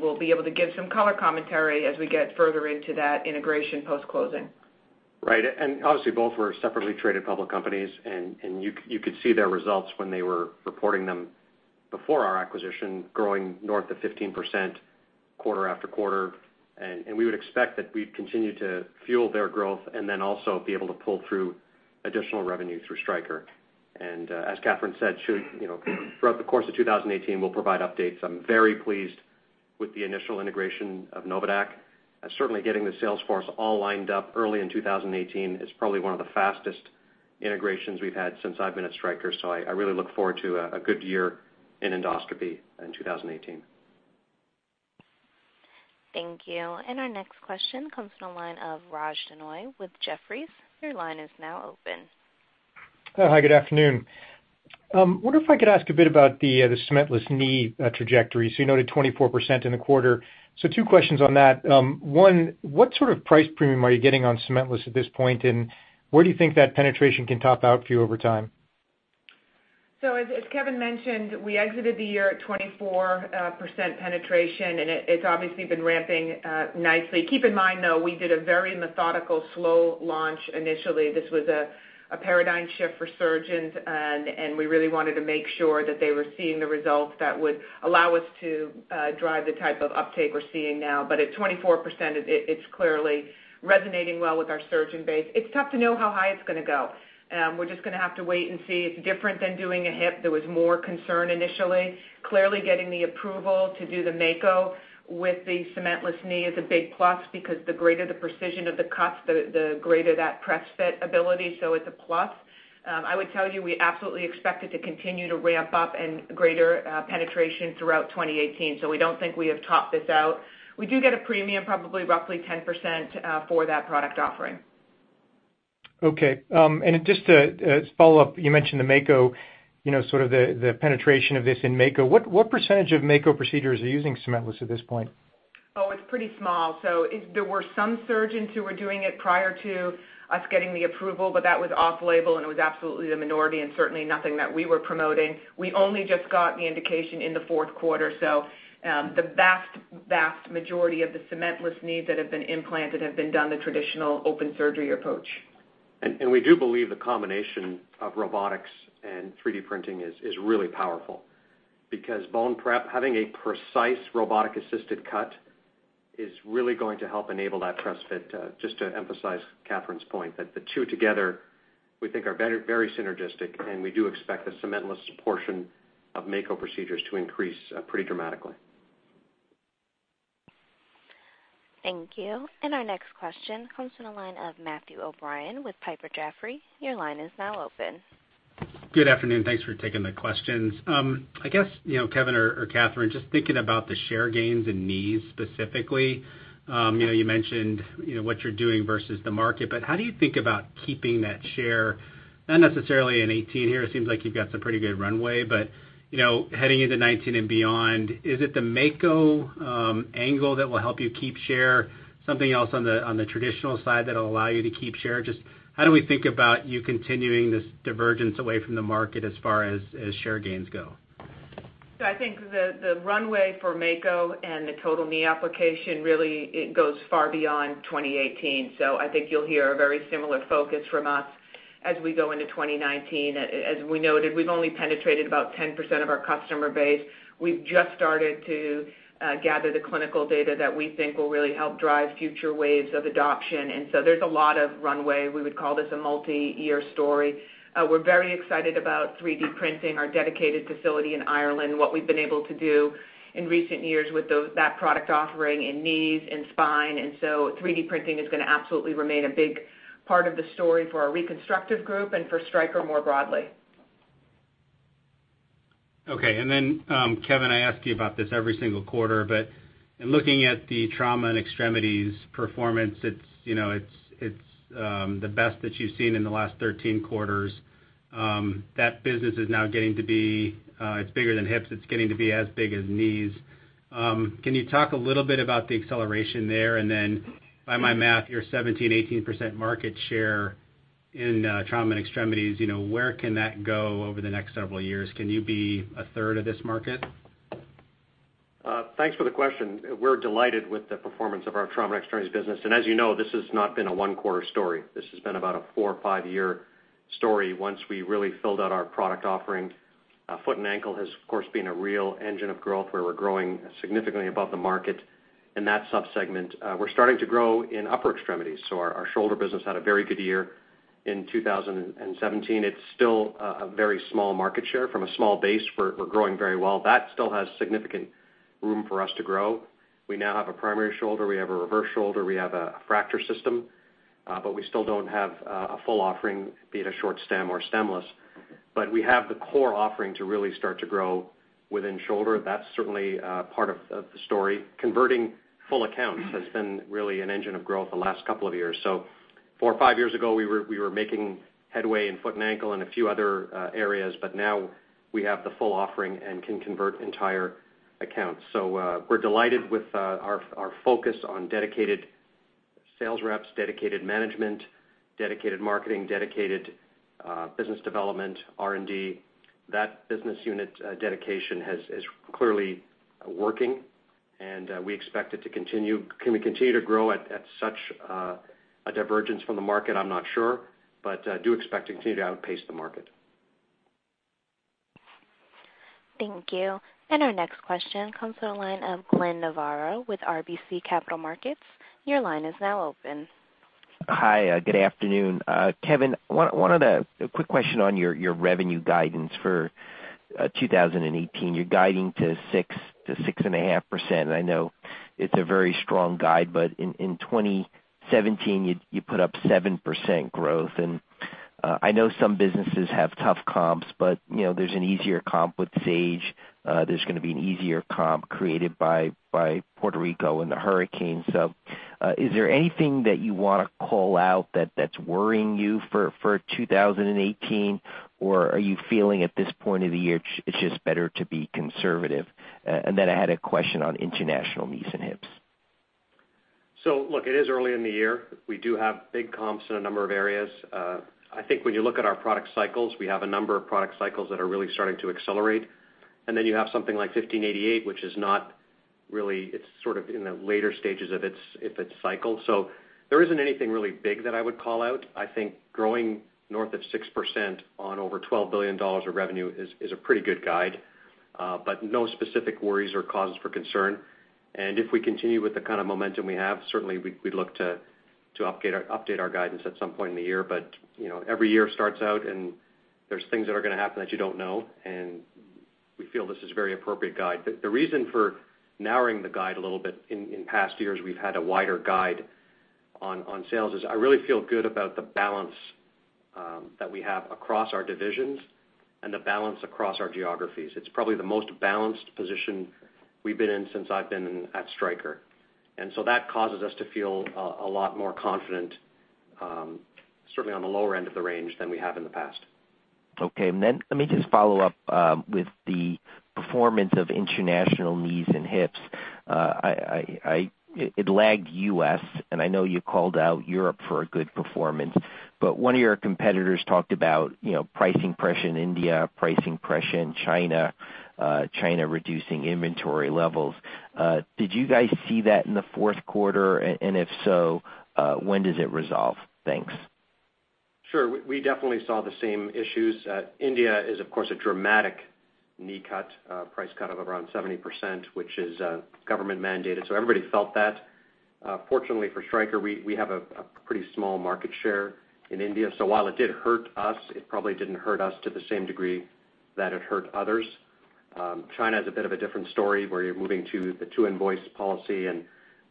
we'll be able to give some color commentary as we get further into that integration post-closing. Right. Obviously, both were separately traded public companies, and you could see their results when they were reporting them before our acquisition, growing north of 15% quarter after quarter. We would expect that we'd continue to fuel their growth and then also be able to pull through additional revenue through Stryker. As Katherine said, throughout the course of 2018, we'll provide updates. I'm very pleased with the initial integration of NOVADAQ. Certainly getting the sales force all lined up early in 2018 is probably one of the fastest integrations we've had since I've been at Stryker. I really look forward to a good year in endoscopy in 2018. Thank you. Our next question comes from the line of Raj Denhoy with Jefferies. Your line is now open. Hi, good afternoon. Wonder if I could ask a bit about the cementless knee trajectory. You noted 24% in the quarter. Two questions on that. One, what sort of price premium are you getting on cementless at this point, and where do you think that penetration can top out for you over time? As Kevin mentioned, we exited the year at 24% penetration, and it's obviously been ramping nicely. Keep in mind, though, we did a very methodical, slow launch initially. This was a paradigm shift for surgeons, and we really wanted to make sure that they were seeing the results that would allow us to drive the type of uptake we're seeing now. At 24%, it's clearly resonating well with our surgeon base. It's tough to know how high it's going to go. We're just going to have to wait and see. It's different than doing a hip. There was more concern initially. Clearly, getting the approval to do the Mako with the cementless knee is a big plus because the greater the precision of the cut, the greater that press fit ability. It's a plus. I would tell you, we absolutely expect it to continue to ramp up and greater penetration throughout 2018. We don't think we have topped this out. We do get a premium, probably roughly 10%, for that product offering. Okay. Just to follow up, you mentioned the Mako, sort of the penetration of this in Mako. What % of Mako procedures are using cementless at this point? Oh, it's pretty small. There were some surgeons who were doing it prior to us getting the approval, but that was off-label, and it was absolutely the minority and certainly nothing that we were promoting. We only just got the indication in the fourth quarter, so the vast majority of the cementless knees that have been implanted have been done the traditional open surgery approach. We do believe the combination of robotics and 3D printing is really powerful because bone prep, having a precise robotic-assisted cut is really going to help enable that press fit. Just to emphasize Katherine's point, that the two together we think are very synergistic, and we do expect the cementless portion of Mako procedures to increase pretty dramatically. Thank you. Our next question comes from the line of Matthew O'Brien with Piper Jaffray. Your line is now open. Good afternoon. Thanks for taking the questions. I guess, Kevin or Katherine, just thinking about the share gains in knees specifically, you mentioned what you're doing versus the market, but how do you think about keeping that share, not necessarily in 2018 here, it seems like you've got some pretty good runway, but heading into 2019 and beyond, is it the Mako angle that will help you keep share, something else on the traditional side that will allow you to keep share? Just how do we think about you continuing this divergence away from the market as far as share gains go? I think the runway for Mako and the total knee application, really, it goes far beyond 2018. I think you'll hear a very similar focus from us as we go into 2019. As we noted, we've only penetrated about 10% of our customer base. We've just started to gather the clinical data that we think will really help drive future waves of adoption. There's a lot of runway. We would call this a multi-year story. We're very excited about 3D printing, our dedicated facility in Ireland, what we've been able to do in recent years with that product offering in knees and spine. 3D printing is going to absolutely remain a big part of the story for our reconstructive group and for Stryker more broadly. Okay, Kevin, I ask you about this every single quarter, but in looking at the trauma and extremities performance, it's the best that you've seen in the last 13 quarters. That business is now getting to be bigger than hips, it's getting to be as big as knees. Can you talk a little bit about the acceleration there? By my math, your 17%, 18% market share in trauma and extremities, where can that go over the next several years? Can you be a third of this market? Thanks for the question. We're delighted with the performance of our trauma and extremities business. As you know, this has not been a one-quarter story. This has been about a four or five-year story once we really filled out our product offering. Foot and ankle has, of course, been a real engine of growth where we're growing significantly above the market in that sub-segment. We're starting to grow in upper extremities. Our shoulder business had a very good year in 2017. It's still a very small market share. From a small base, we're growing very well. That still has significant room for us to grow. We now have a primary shoulder, we have a reverse shoulder, we have a fracture system, but we still don't have a full offering, be it a short stem or stemless. We have the core offering to really start to grow within shoulder. That's certainly a part of the story. Converting full accounts has been really an engine of growth the last couple of years. Four or five years ago, we were making headway in foot and ankle and a few other areas, but now we have the full offering and can convert entire accounts. We're delighted with our focus on dedicated sales reps, dedicated management, dedicated marketing, dedicated business development, R&D. That business unit dedication is clearly working, and we expect it to continue. Can we continue to grow at such a divergence from the market? I'm not sure, but I do expect to continue to outpace the market. Thank you. Our next question comes to the line of Glenn Novarro with RBC Capital Markets. Your line is now open. Hi, good afternoon. Kevin, a quick question on your revenue guidance for 2018. You're guiding to 6%-6.5%, I know it's a very strong guide, but in 2017, you put up 7% growth. I know some businesses have tough comps, but there's an easier comp with Sage. There's going to be an easier comp created by Puerto Rico and the hurricane. Is there anything that you want to call out that's worrying you for 2018? Are you feeling at this point of the year, it's just better to be conservative? I had a question on international knees and hips. Look, it is early in the year. We do have big comps in a number of areas. I think when you look at our product cycles, we have a number of product cycles that are really starting to accelerate. You have something like 1588, which is not really, it's sort of in the later stages of its cycle. There isn't anything really big that I would call out. I think growing north of 6% on over $12 billion of revenue is a pretty good guide. No specific worries or causes for concern. If we continue with the kind of momentum we have, certainly we'd look to update our guidance at some point in the year. Every year starts out, there's things that are going to happen that you don't know, we feel this is a very appropriate guide. The reason for narrowing the guide a little bit, in past years, we've had a wider guide on sales, is I really feel good about the balance that we have across our divisions and the balance across our geographies. It's probably the most balanced position we've been in since I've been at Stryker. That causes us to feel a lot more confident, certainly on the lower end of the range than we have in the past. Okay, let me just follow up with the performance of international knees and hips. It lagged U.S., and I know you called out Europe for a good performance, but one of your competitors talked about pricing pressure in India, pricing pressure in China reducing inventory levels. Did you guys see that in the fourth quarter, and if so, when does it resolve? Thanks. Sure. We definitely saw the same issues. India is, of course, a dramatic knee cut, price cut of around 70%, which is government mandated. Everybody felt that. Fortunately for Stryker, we have a pretty small market share in India. While it did hurt us, it probably didn't hurt us to the same degree that it hurt others. China is a bit of a different story, where you're moving to the two invoice policy and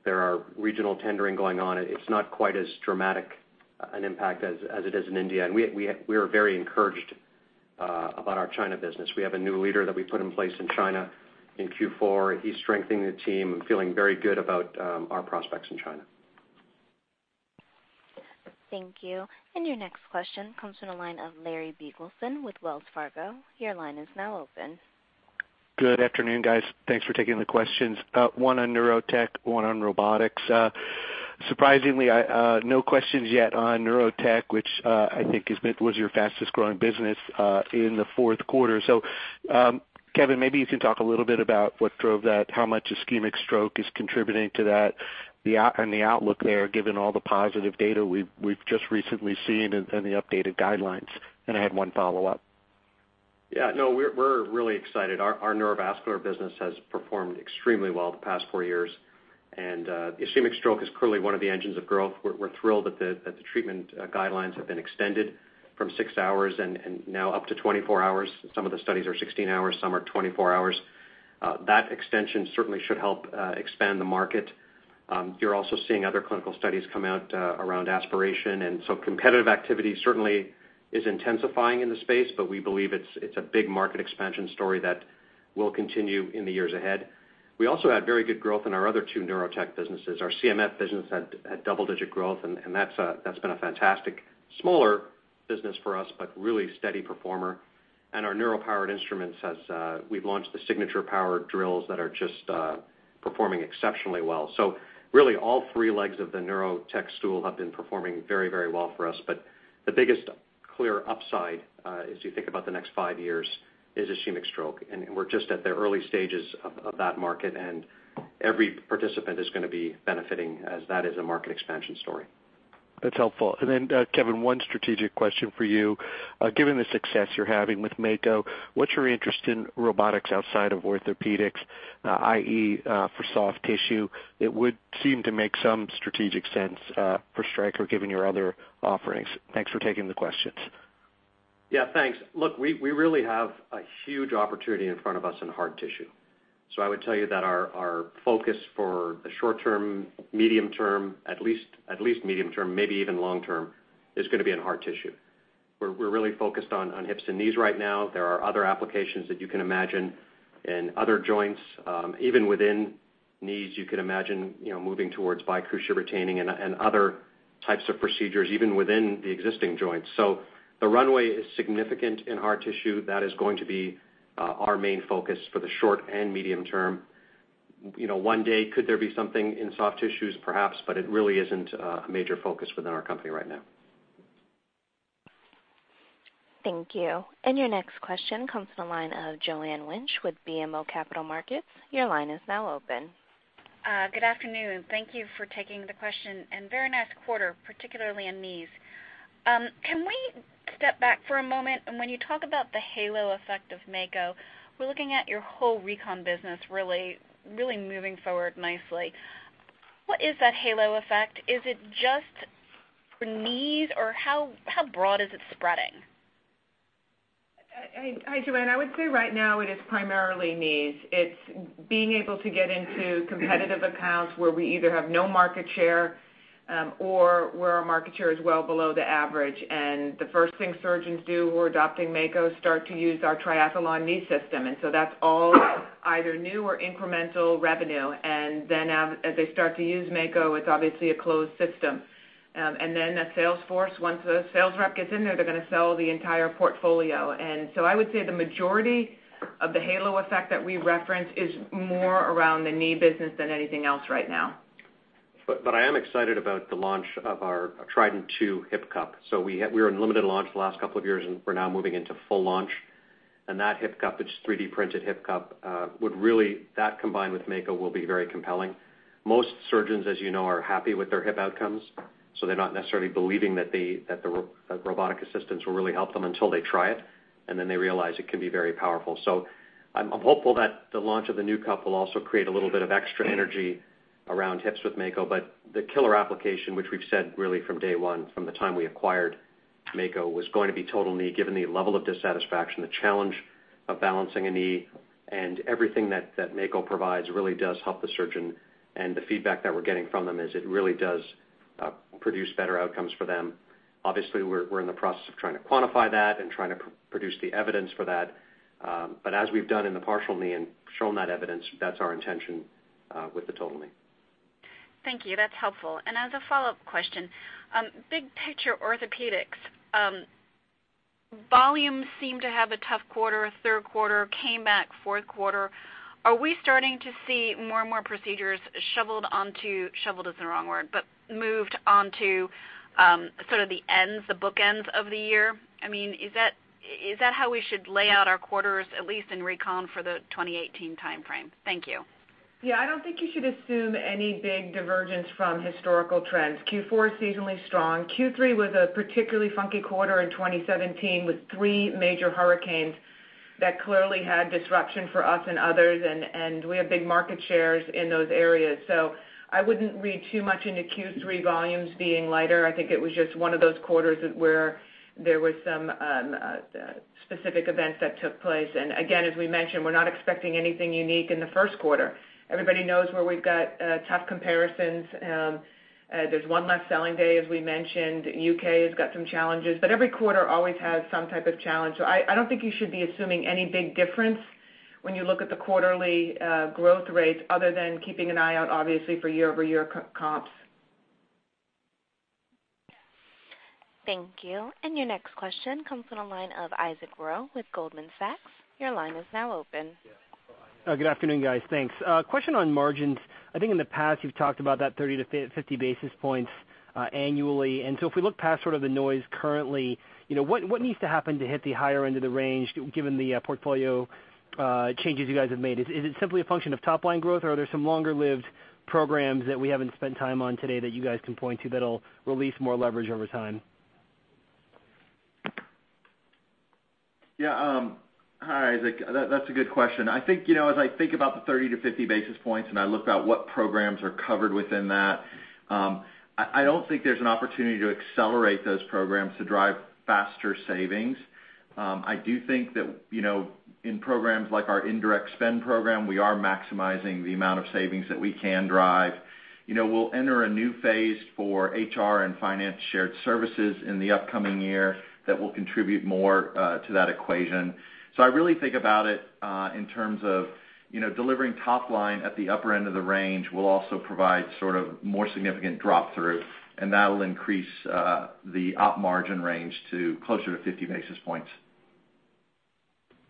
there are regional tendering going on. It's not quite as dramatic an impact as it is in India. We are very encouraged about our China business. We have a new leader that we put in place in China in Q4. He's strengthening the team and feeling very good about our prospects in China. Thank you. Your next question comes from the line of Larry Biegelsen with Wells Fargo. Your line is now open. Good afternoon, guys. Thanks for taking the questions. One on neurotech, one on robotics. Surprisingly, no questions yet on neurotech, which I think was your fastest-growing business in the fourth quarter. Kevin, maybe you can talk a little bit about what drove that, how much ischemic stroke is contributing to that and the outlook there, given all the positive data we've just recently seen and the updated guidelines. I had one follow-up. Yeah, no, we're really excited. Our neurovascular business has performed extremely well the past four years. Ischemic stroke is clearly one of the engines of growth. We're thrilled that the treatment guidelines have been extended from six hours and now up to 24 hours. Some of the studies are 16 hours, some are 24 hours. That extension certainly should help expand the market. You're also seeing other clinical studies come out around aspiration, competitive activity certainly is intensifying in the space, we believe it's a big market expansion story that will continue in the years ahead. We also had very good growth in our other two neurotech businesses. Our CMF business had double-digit growth, and that's been a fantastic smaller business for us, but really steady performer. Our neuro-powered instruments, we've launched the Signature Portfolio powered drills that are just performing exceptionally well. Really all three legs of the neurotech stool have been performing very well for us. The biggest clear upside as you think about the next five years is ischemic stroke, and we're just at the early stages of that market, and every participant is going to be benefiting as that is a market expansion story. That's helpful. Kevin, one strategic question for you. Given the success you're having with Mako, what's your interest in robotics outside of orthopedics, i.e., for soft tissue? It would seem to make some strategic sense for Stryker given your other offerings. Thanks for taking the questions. Yeah, thanks. Look, we really have a huge opportunity in front of us in hard tissue. I would tell you that our focus for the short term, medium term, at least medium term, maybe even long term, is going to be on hard tissue, where we're really focused on hips and knees right now. There are other applications that you can imagine in other joints. Even within knees, you could imagine moving towards bicruciate retaining and other types of procedures, even within the existing joints. The runway is significant in hard tissue. That is going to be our main focus for the short and medium term. One day could there be something in soft tissues? Perhaps, but it really isn't a major focus within our company right now. Thank you. Your next question comes from the line of Joanne Lynch with BMO Capital Markets. Your line is now open. Good afternoon. Thank you for taking the question. Very nice quarter, particularly in knees. Can we step back for a moment? When you talk about the halo effect of Mako, we're looking at your whole recon business really moving forward nicely. What is that halo effect? Is it just for knees, or how broad is it spreading? Hi, Joanne. I would say right now it is primarily knees. It's being able to get into competitive accounts where we either have no market share or where our market share is well below the average. The first thing surgeons do who are adopting Mako start to use our Triathlon knee system, that's all either new or incremental revenue. As they start to use Mako, it's obviously a closed system. The sales force, once the sales rep gets in there, they're going to sell the entire portfolio. I would say the majority of the halo effect that we reference is more around the knee business than anything else right now. I am excited about the launch of our Trident II hip cup. We were in limited launch the last couple of years, and we're now moving into full launch. That hip cup, which is 3D-printed hip cup, that combined with Mako will be very compelling. Most surgeons, as you know, are happy with their hip outcomes, they're not necessarily believing that the robotic assistants will really help them until they try it, then they realize it can be very powerful. I'm hopeful that the launch of the new cup will also create a little bit of extra energy around hips with Mako. The killer application, which we've said really from day one, from the time we acquired Mako, was going to be total knee, given the level of dissatisfaction, the challenge of balancing a knee and everything that Mako provides really does help the surgeon and the feedback that we're getting from them is it really does produce better outcomes for them. Obviously, we're in the process of trying to quantify that and trying to produce the evidence for that. As we've done in the partial knee and shown that evidence, that's our intention with the total knee. Thank you. That's helpful. As a follow-up question, big picture orthopedics. Volumes seem to have a tough quarter, third quarter, came back fourth quarter. Are we starting to see more and more procedures shoveled onto, shoveled is the wrong word, but moved onto sort of the ends, the bookends of the year? Is that how we should lay out our quarters, at least in recon for the 2018 timeframe? Thank you. I don't think you should assume any big divergence from historical trends. Q4 is seasonally strong. Q3 was a particularly funky quarter in 2017 with three major hurricanes that clearly had disruption for us and others, and we have big market shares in those areas. I wouldn't read too much into Q3 volumes being lighter. I think it was just one of those quarters where there was some specific events that took place. Again, as we mentioned, we're not expecting anything unique in the first quarter. Everybody knows where we've got tough comparisons. There's one less selling day, as we mentioned. U.K. has got some challenges, every quarter always has some type of challenge. I don't think you should be assuming any big difference when you look at the quarterly growth rates other than keeping an eye out obviously for year-over-year comps. Thank you. Your next question comes from the line of Isaac Ro with Goldman Sachs. Your line is now open. Good afternoon, guys. Thanks. A question on margins. I think in the past you've talked about that 30 to 50 basis points annually. If we look past sort of the noise currently, what needs to happen to hit the higher end of the range given the portfolio changes you guys have made? Is it simply a function of top-line growth, or are there some longer-lived programs that we haven't spent time on today that you guys can point to that'll release more leverage over time? Yeah. Hi, Isaac. That's a good question. As I think about the 30 to 50 basis points and I look at what programs are covered within that, I don't think there's an opportunity to accelerate those programs to drive faster savings. I do think that in programs like our indirect spend program, we are maximizing the amount of savings that we can drive. We'll enter a new phase for HR and finance shared services in the upcoming year that will contribute more to that equation. I really think about it in terms of delivering top line at the upper end of the range will also provide sort of more significant drop through, and that will increase the op margin range to closer to 50 basis points.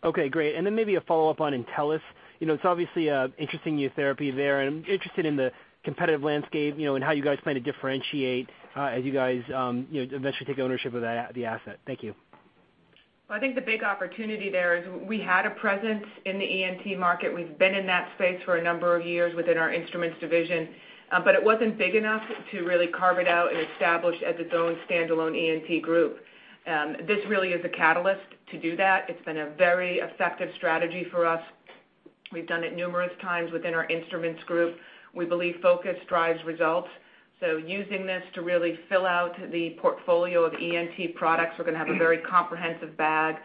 Okay, great. Maybe a follow-up on Entellus. It's obviously an interesting new therapy there, and I'm interested in the competitive landscape and how you guys plan to differentiate as you guys eventually take ownership of the asset. Thank you. I think the big opportunity there is we had a presence in the ENT market. We've been in that space for a number of years within our instruments division. It wasn't big enough to really carve it out and establish as its own standalone ENT group. This really is a catalyst to do that. It's been a very effective strategy for us. We've done it numerous times within our instruments group. We believe focus drives results. Using this to really fill out the portfolio of ENT products, we're going to have a very comprehensive bag.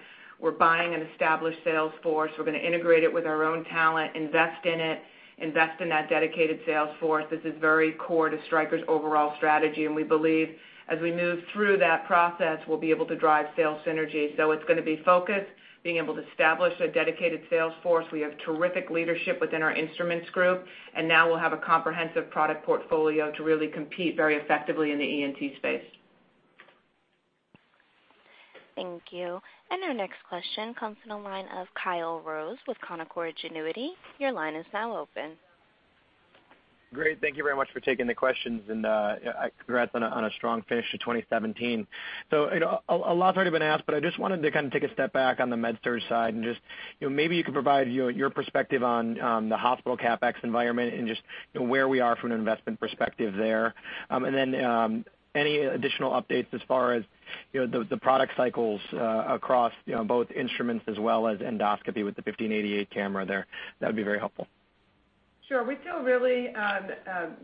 We're buying an established sales force. We're going to integrate it with our own talent, invest in it, invest in that dedicated sales force. This is very core to Stryker's overall strategy, and we believe as we move through that process, we'll be able to drive sales synergy. It's going to be focus, being able to establish a dedicated sales force. We have terrific leadership within our instruments group, and now we'll have a comprehensive product portfolio to really compete very effectively in the ENT space. Thank you. Our next question comes from the line of Kyle Rose with Canaccord Genuity. Your line is now open. Great. Thank you very much for taking the questions. Congrats on a strong finish to 2017. A lot's already been asked, but I just wanted to kind of take a step back on the med surg side and just maybe you could provide your perspective on the hospital CapEx environment and just where we are from an investment perspective there. Then any additional updates as far as the product cycles across both instruments as well as endoscopy with the 1588 camera there. That'd be very helpful. Sure. We feel really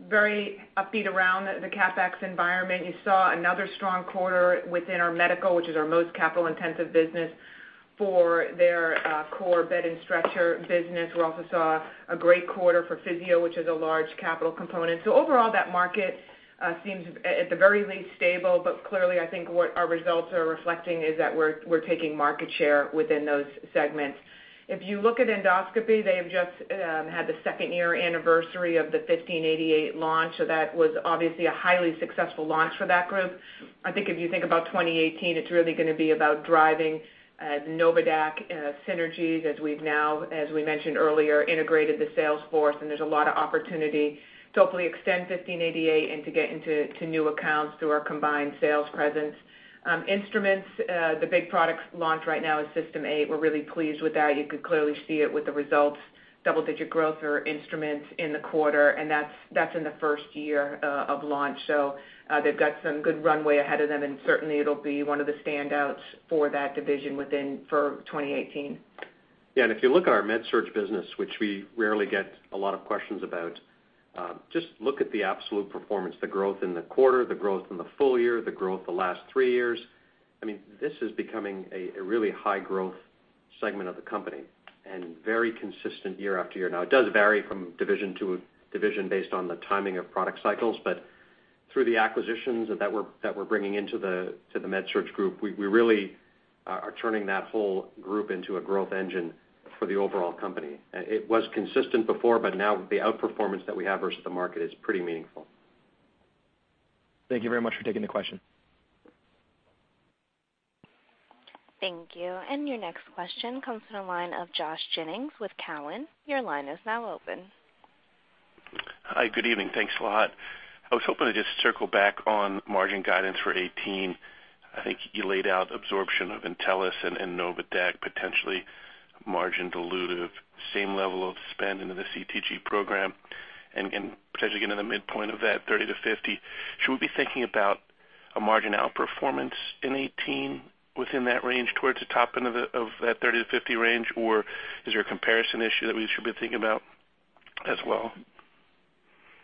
very upbeat around the CapEx environment. You saw another strong quarter within our medical, which is our most capital-intensive business for their core bed and stretcher business. We also saw a great quarter for Physio, which is a large capital component. Overall, that market seems at the very least stable, but clearly I think what our results are reflecting is that we're taking market share within those segments. If you look at endoscopy, they have just had the second year anniversary of the 1588 launch, so that was obviously a highly successful launch for that group. I think if you think about 2018, it's really going to be about driving NOVADAQ synergies as we've now, as we mentioned earlier, integrated the sales force and there's a lot of opportunity to hopefully extend 1588 and to get into new accounts through our combined sales presence. Instruments, the big product launch right now is System 8. We're really pleased with that. You could clearly see it with the results, double-digit growth for our instruments in the quarter, and that's in the first year of launch. They've got some good runway ahead of them, and certainly it'll be one of the standouts for that division for 2018. If you look at our med surg business, which we rarely get a lot of questions about, just look at the absolute performance, the growth in the quarter, the growth in the full year, the growth the last three years. I mean, this is becoming a really high-growth segment of the company and very consistent year after year. It does vary from division to division based on the timing of product cycles, through the acquisitions that we're bringing into the med surg group, we really are turning that whole group into a growth engine for the overall company. It was consistent before, now the outperformance that we have versus the market is pretty meaningful. Thank you very much for taking the question. Thank you. Your next question comes from the line of Josh Jennings with Cowen. Your line is now open. Hi, good evening. Thanks a lot. I was hoping to just circle back on margin guidance for 2018. I think you laid out absorption of Entellus and NOVADAQ potentially margin dilutive, same level of spend into the CTG program, and potentially getting to the midpoint of that 30 to 50. Should we be thinking about a margin outperformance in 2018 within that range towards the top end of that 30 to 50 range, or is there a comparison issue that we should be thinking about as well?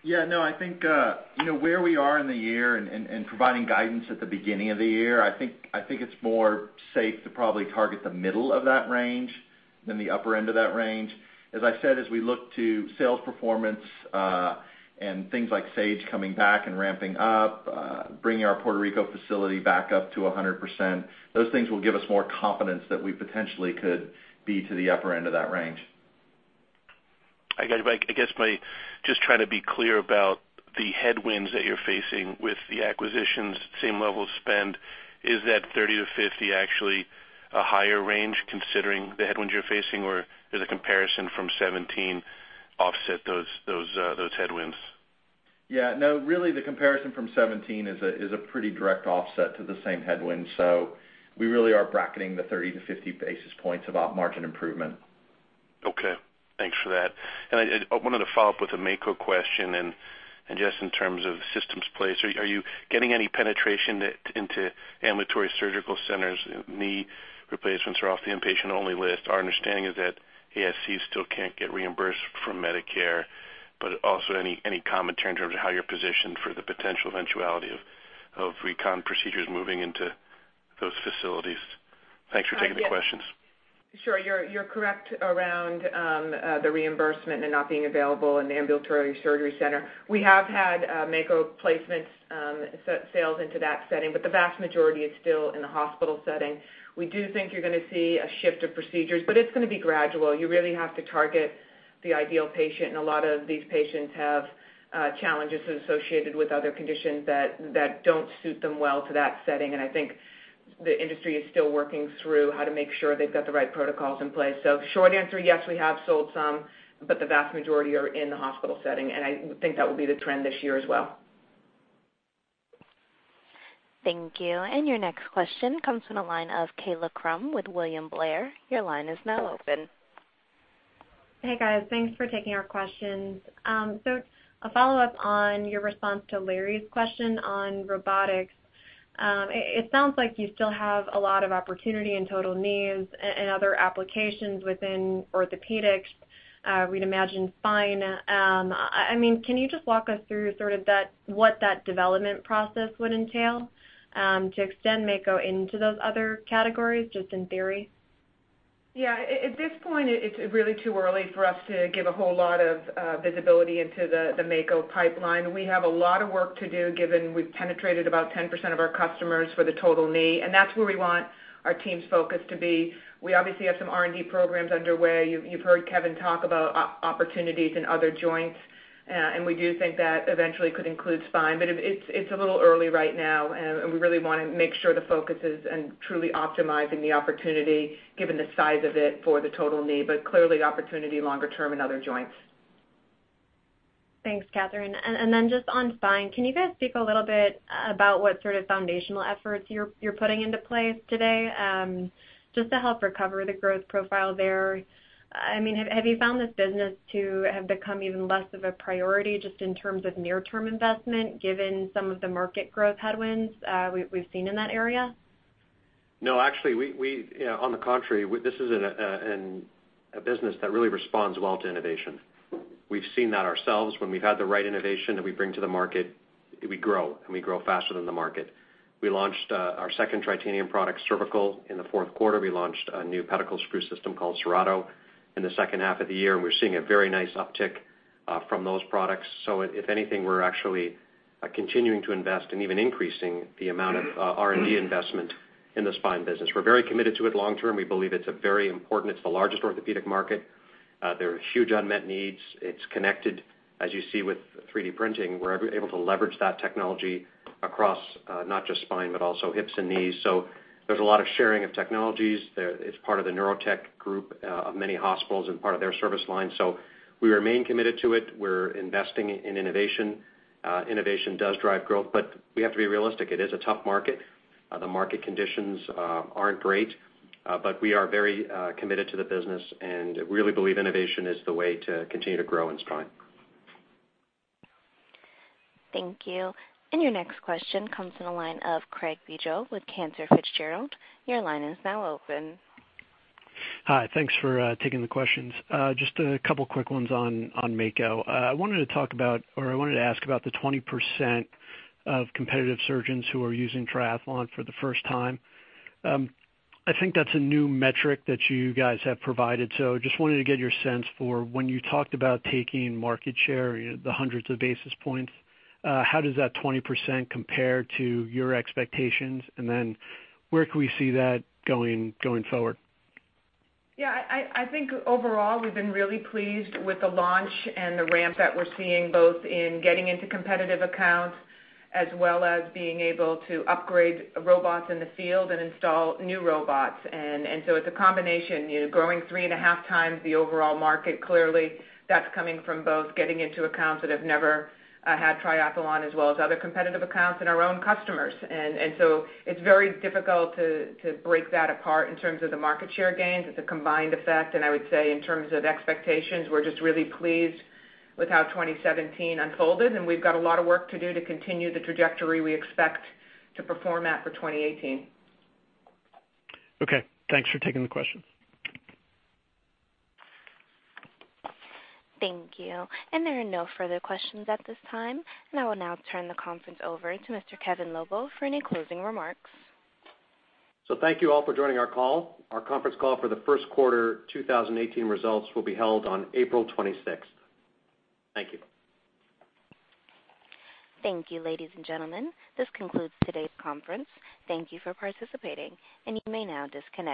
Yeah, no, I think where we are in the year and providing guidance at the beginning of the year, I think it's more safe to probably target the middle of that range than the upper end of that range. As I said, as we look to sales performance, and things like Sage coming back and ramping up, bringing our Puerto Rico facility back up to 100%, those things will give us more confidence that we potentially could be to the upper end of that range. I guess, just trying to be clear about the headwinds that you're facing with the acquisitions, same level of spend. Is that 30 to 50 actually a higher range considering the headwinds you're facing, or does the comparison from 2017 offset those headwinds? Yeah, no. Really, the comparison from 2017 is a pretty direct offset to the same headwinds. We really are bracketing the 30 to 50 basis points of op margin improvement. Okay. Thanks for that. I wanted to follow up with a Mako question and just in terms of systems placed. Are you getting any penetration into ambulatory surgical centers? Knee replacements are off the inpatient-only list. Our understanding is that ASCs still can't get reimbursed from Medicare. Also, any commentary in terms of how you're positioned for the potential eventuality of recon procedures moving into those facilities? Thanks for taking the questions. Sure. You're correct around the reimbursement and it not being available in the ambulatory surgery center. We have had Mako placement sales into that setting. The vast majority is still in the hospital setting. We do think you're going to see a shift of procedures, but it's going to be gradual. You really have to target the ideal patient, and a lot of these patients have challenges associated with other conditions that don't suit them well to that setting. I think the industry is still working through how to make sure they've got the right protocols in place. Short answer, yes, we have sold some, but the vast majority are in the hospital setting, and I think that will be the trend this year as well. Thank you. Your next question comes from the line of Kayla Crum with William Blair. Your line is now open. Hey, guys. Thanks for taking our questions. A follow-up on your response to Larry's question on robotics. It sounds like you still have a lot of opportunity in total knees and other applications within orthopedics. We'd imagine spine. Can you just walk us through sort of what that development process would entail to extend Mako into those other categories, just in theory? Yeah. At this point, it's really too early for us to give a whole lot of visibility into the Mako pipeline. We have a lot of work to do given we've penetrated about 10% of our customers for the total knee, and that's where we want our team's focus to be. We obviously have some R&D programs underway. You've heard Kevin talk about opportunities in other joints, and we do think that eventually could include spine. It's a little early right now, and we really want to make sure the focus is in truly optimizing the opportunity, given the size of it for the total knee. Clearly opportunity longer term in other joints. Thanks, Katherine. Just on spine, can you guys speak a little bit about what sort of foundational efforts you're putting into place today, just to help recover the growth profile there? Have you found this business to have become even less of a priority just in terms of near-term investment given some of the market growth headwinds we've seen in that area? No, actually, on the contrary, this is a business that really responds well to innovation. We've seen that ourselves. When we've had the right innovation that we bring to the market, we grow, and we grow faster than the market. We launched our second Tritanium product, Cervical, in the fourth quarter. We launched a new pedicle screw system called Serrato in the second half of the year, and we're seeing a very nice uptick from those products. If anything, we're actually continuing to invest and even increasing the amount of R&D investment in the spine business. We're very committed to it long term. We believe it's very important. It's the largest orthopedic market. There are huge unmet needs. It's connected, as you see with 3D printing. We're able to leverage that technology across not just spine, but also hips and knees. There's a lot of sharing of technologies. It's part of the neurotech group of many hospitals and part of their service line. We remain committed to it. We're investing in innovation. Innovation does drive growth, but we have to be realistic. It is a tough market. The market conditions aren't great. We are very committed to the business and really believe innovation is the way to continue to grow in spine. Thank you. Your next question comes from the line of Craig Bijou with Cantor Fitzgerald. Your line is now open. Hi, thanks for taking the questions. Just a couple quick ones on Mako. I wanted to talk about, or I wanted to ask about the 20% of competitive surgeons who are using Triathlon for the first time. I think that's a new metric that you guys have provided. Just wanted to get your sense for when you talked about taking market share, the hundreds of basis points, how does that 20% compare to your expectations? Where could we see that going forward? I think overall, we've been really pleased with the launch and the ramp that we're seeing, both in getting into competitive accounts as well as being able to upgrade robots in the field and install new robots. It's a combination. Growing three and a half times the overall market, clearly that's coming from both getting into accounts that have never had Triathlon, as well as other competitive accounts and our own customers. It's very difficult to break that apart in terms of the market share gains. It's a combined effect, and I would say in terms of expectations, we're just really pleased with how 2017 unfolded, and we've got a lot of work to do to continue the trajectory we expect to perform at for 2018. Okay. Thanks for taking the question. Thank you. There are no further questions at this time. I will now turn the conference over to Mr. Kevin Lobo for any closing remarks. Thank you all for joining our call. Our conference call for the first quarter 2018 results will be held on April 26th. Thank you. Thank you, ladies and gentlemen. This concludes today's conference. Thank you for participating, and you may now disconnect.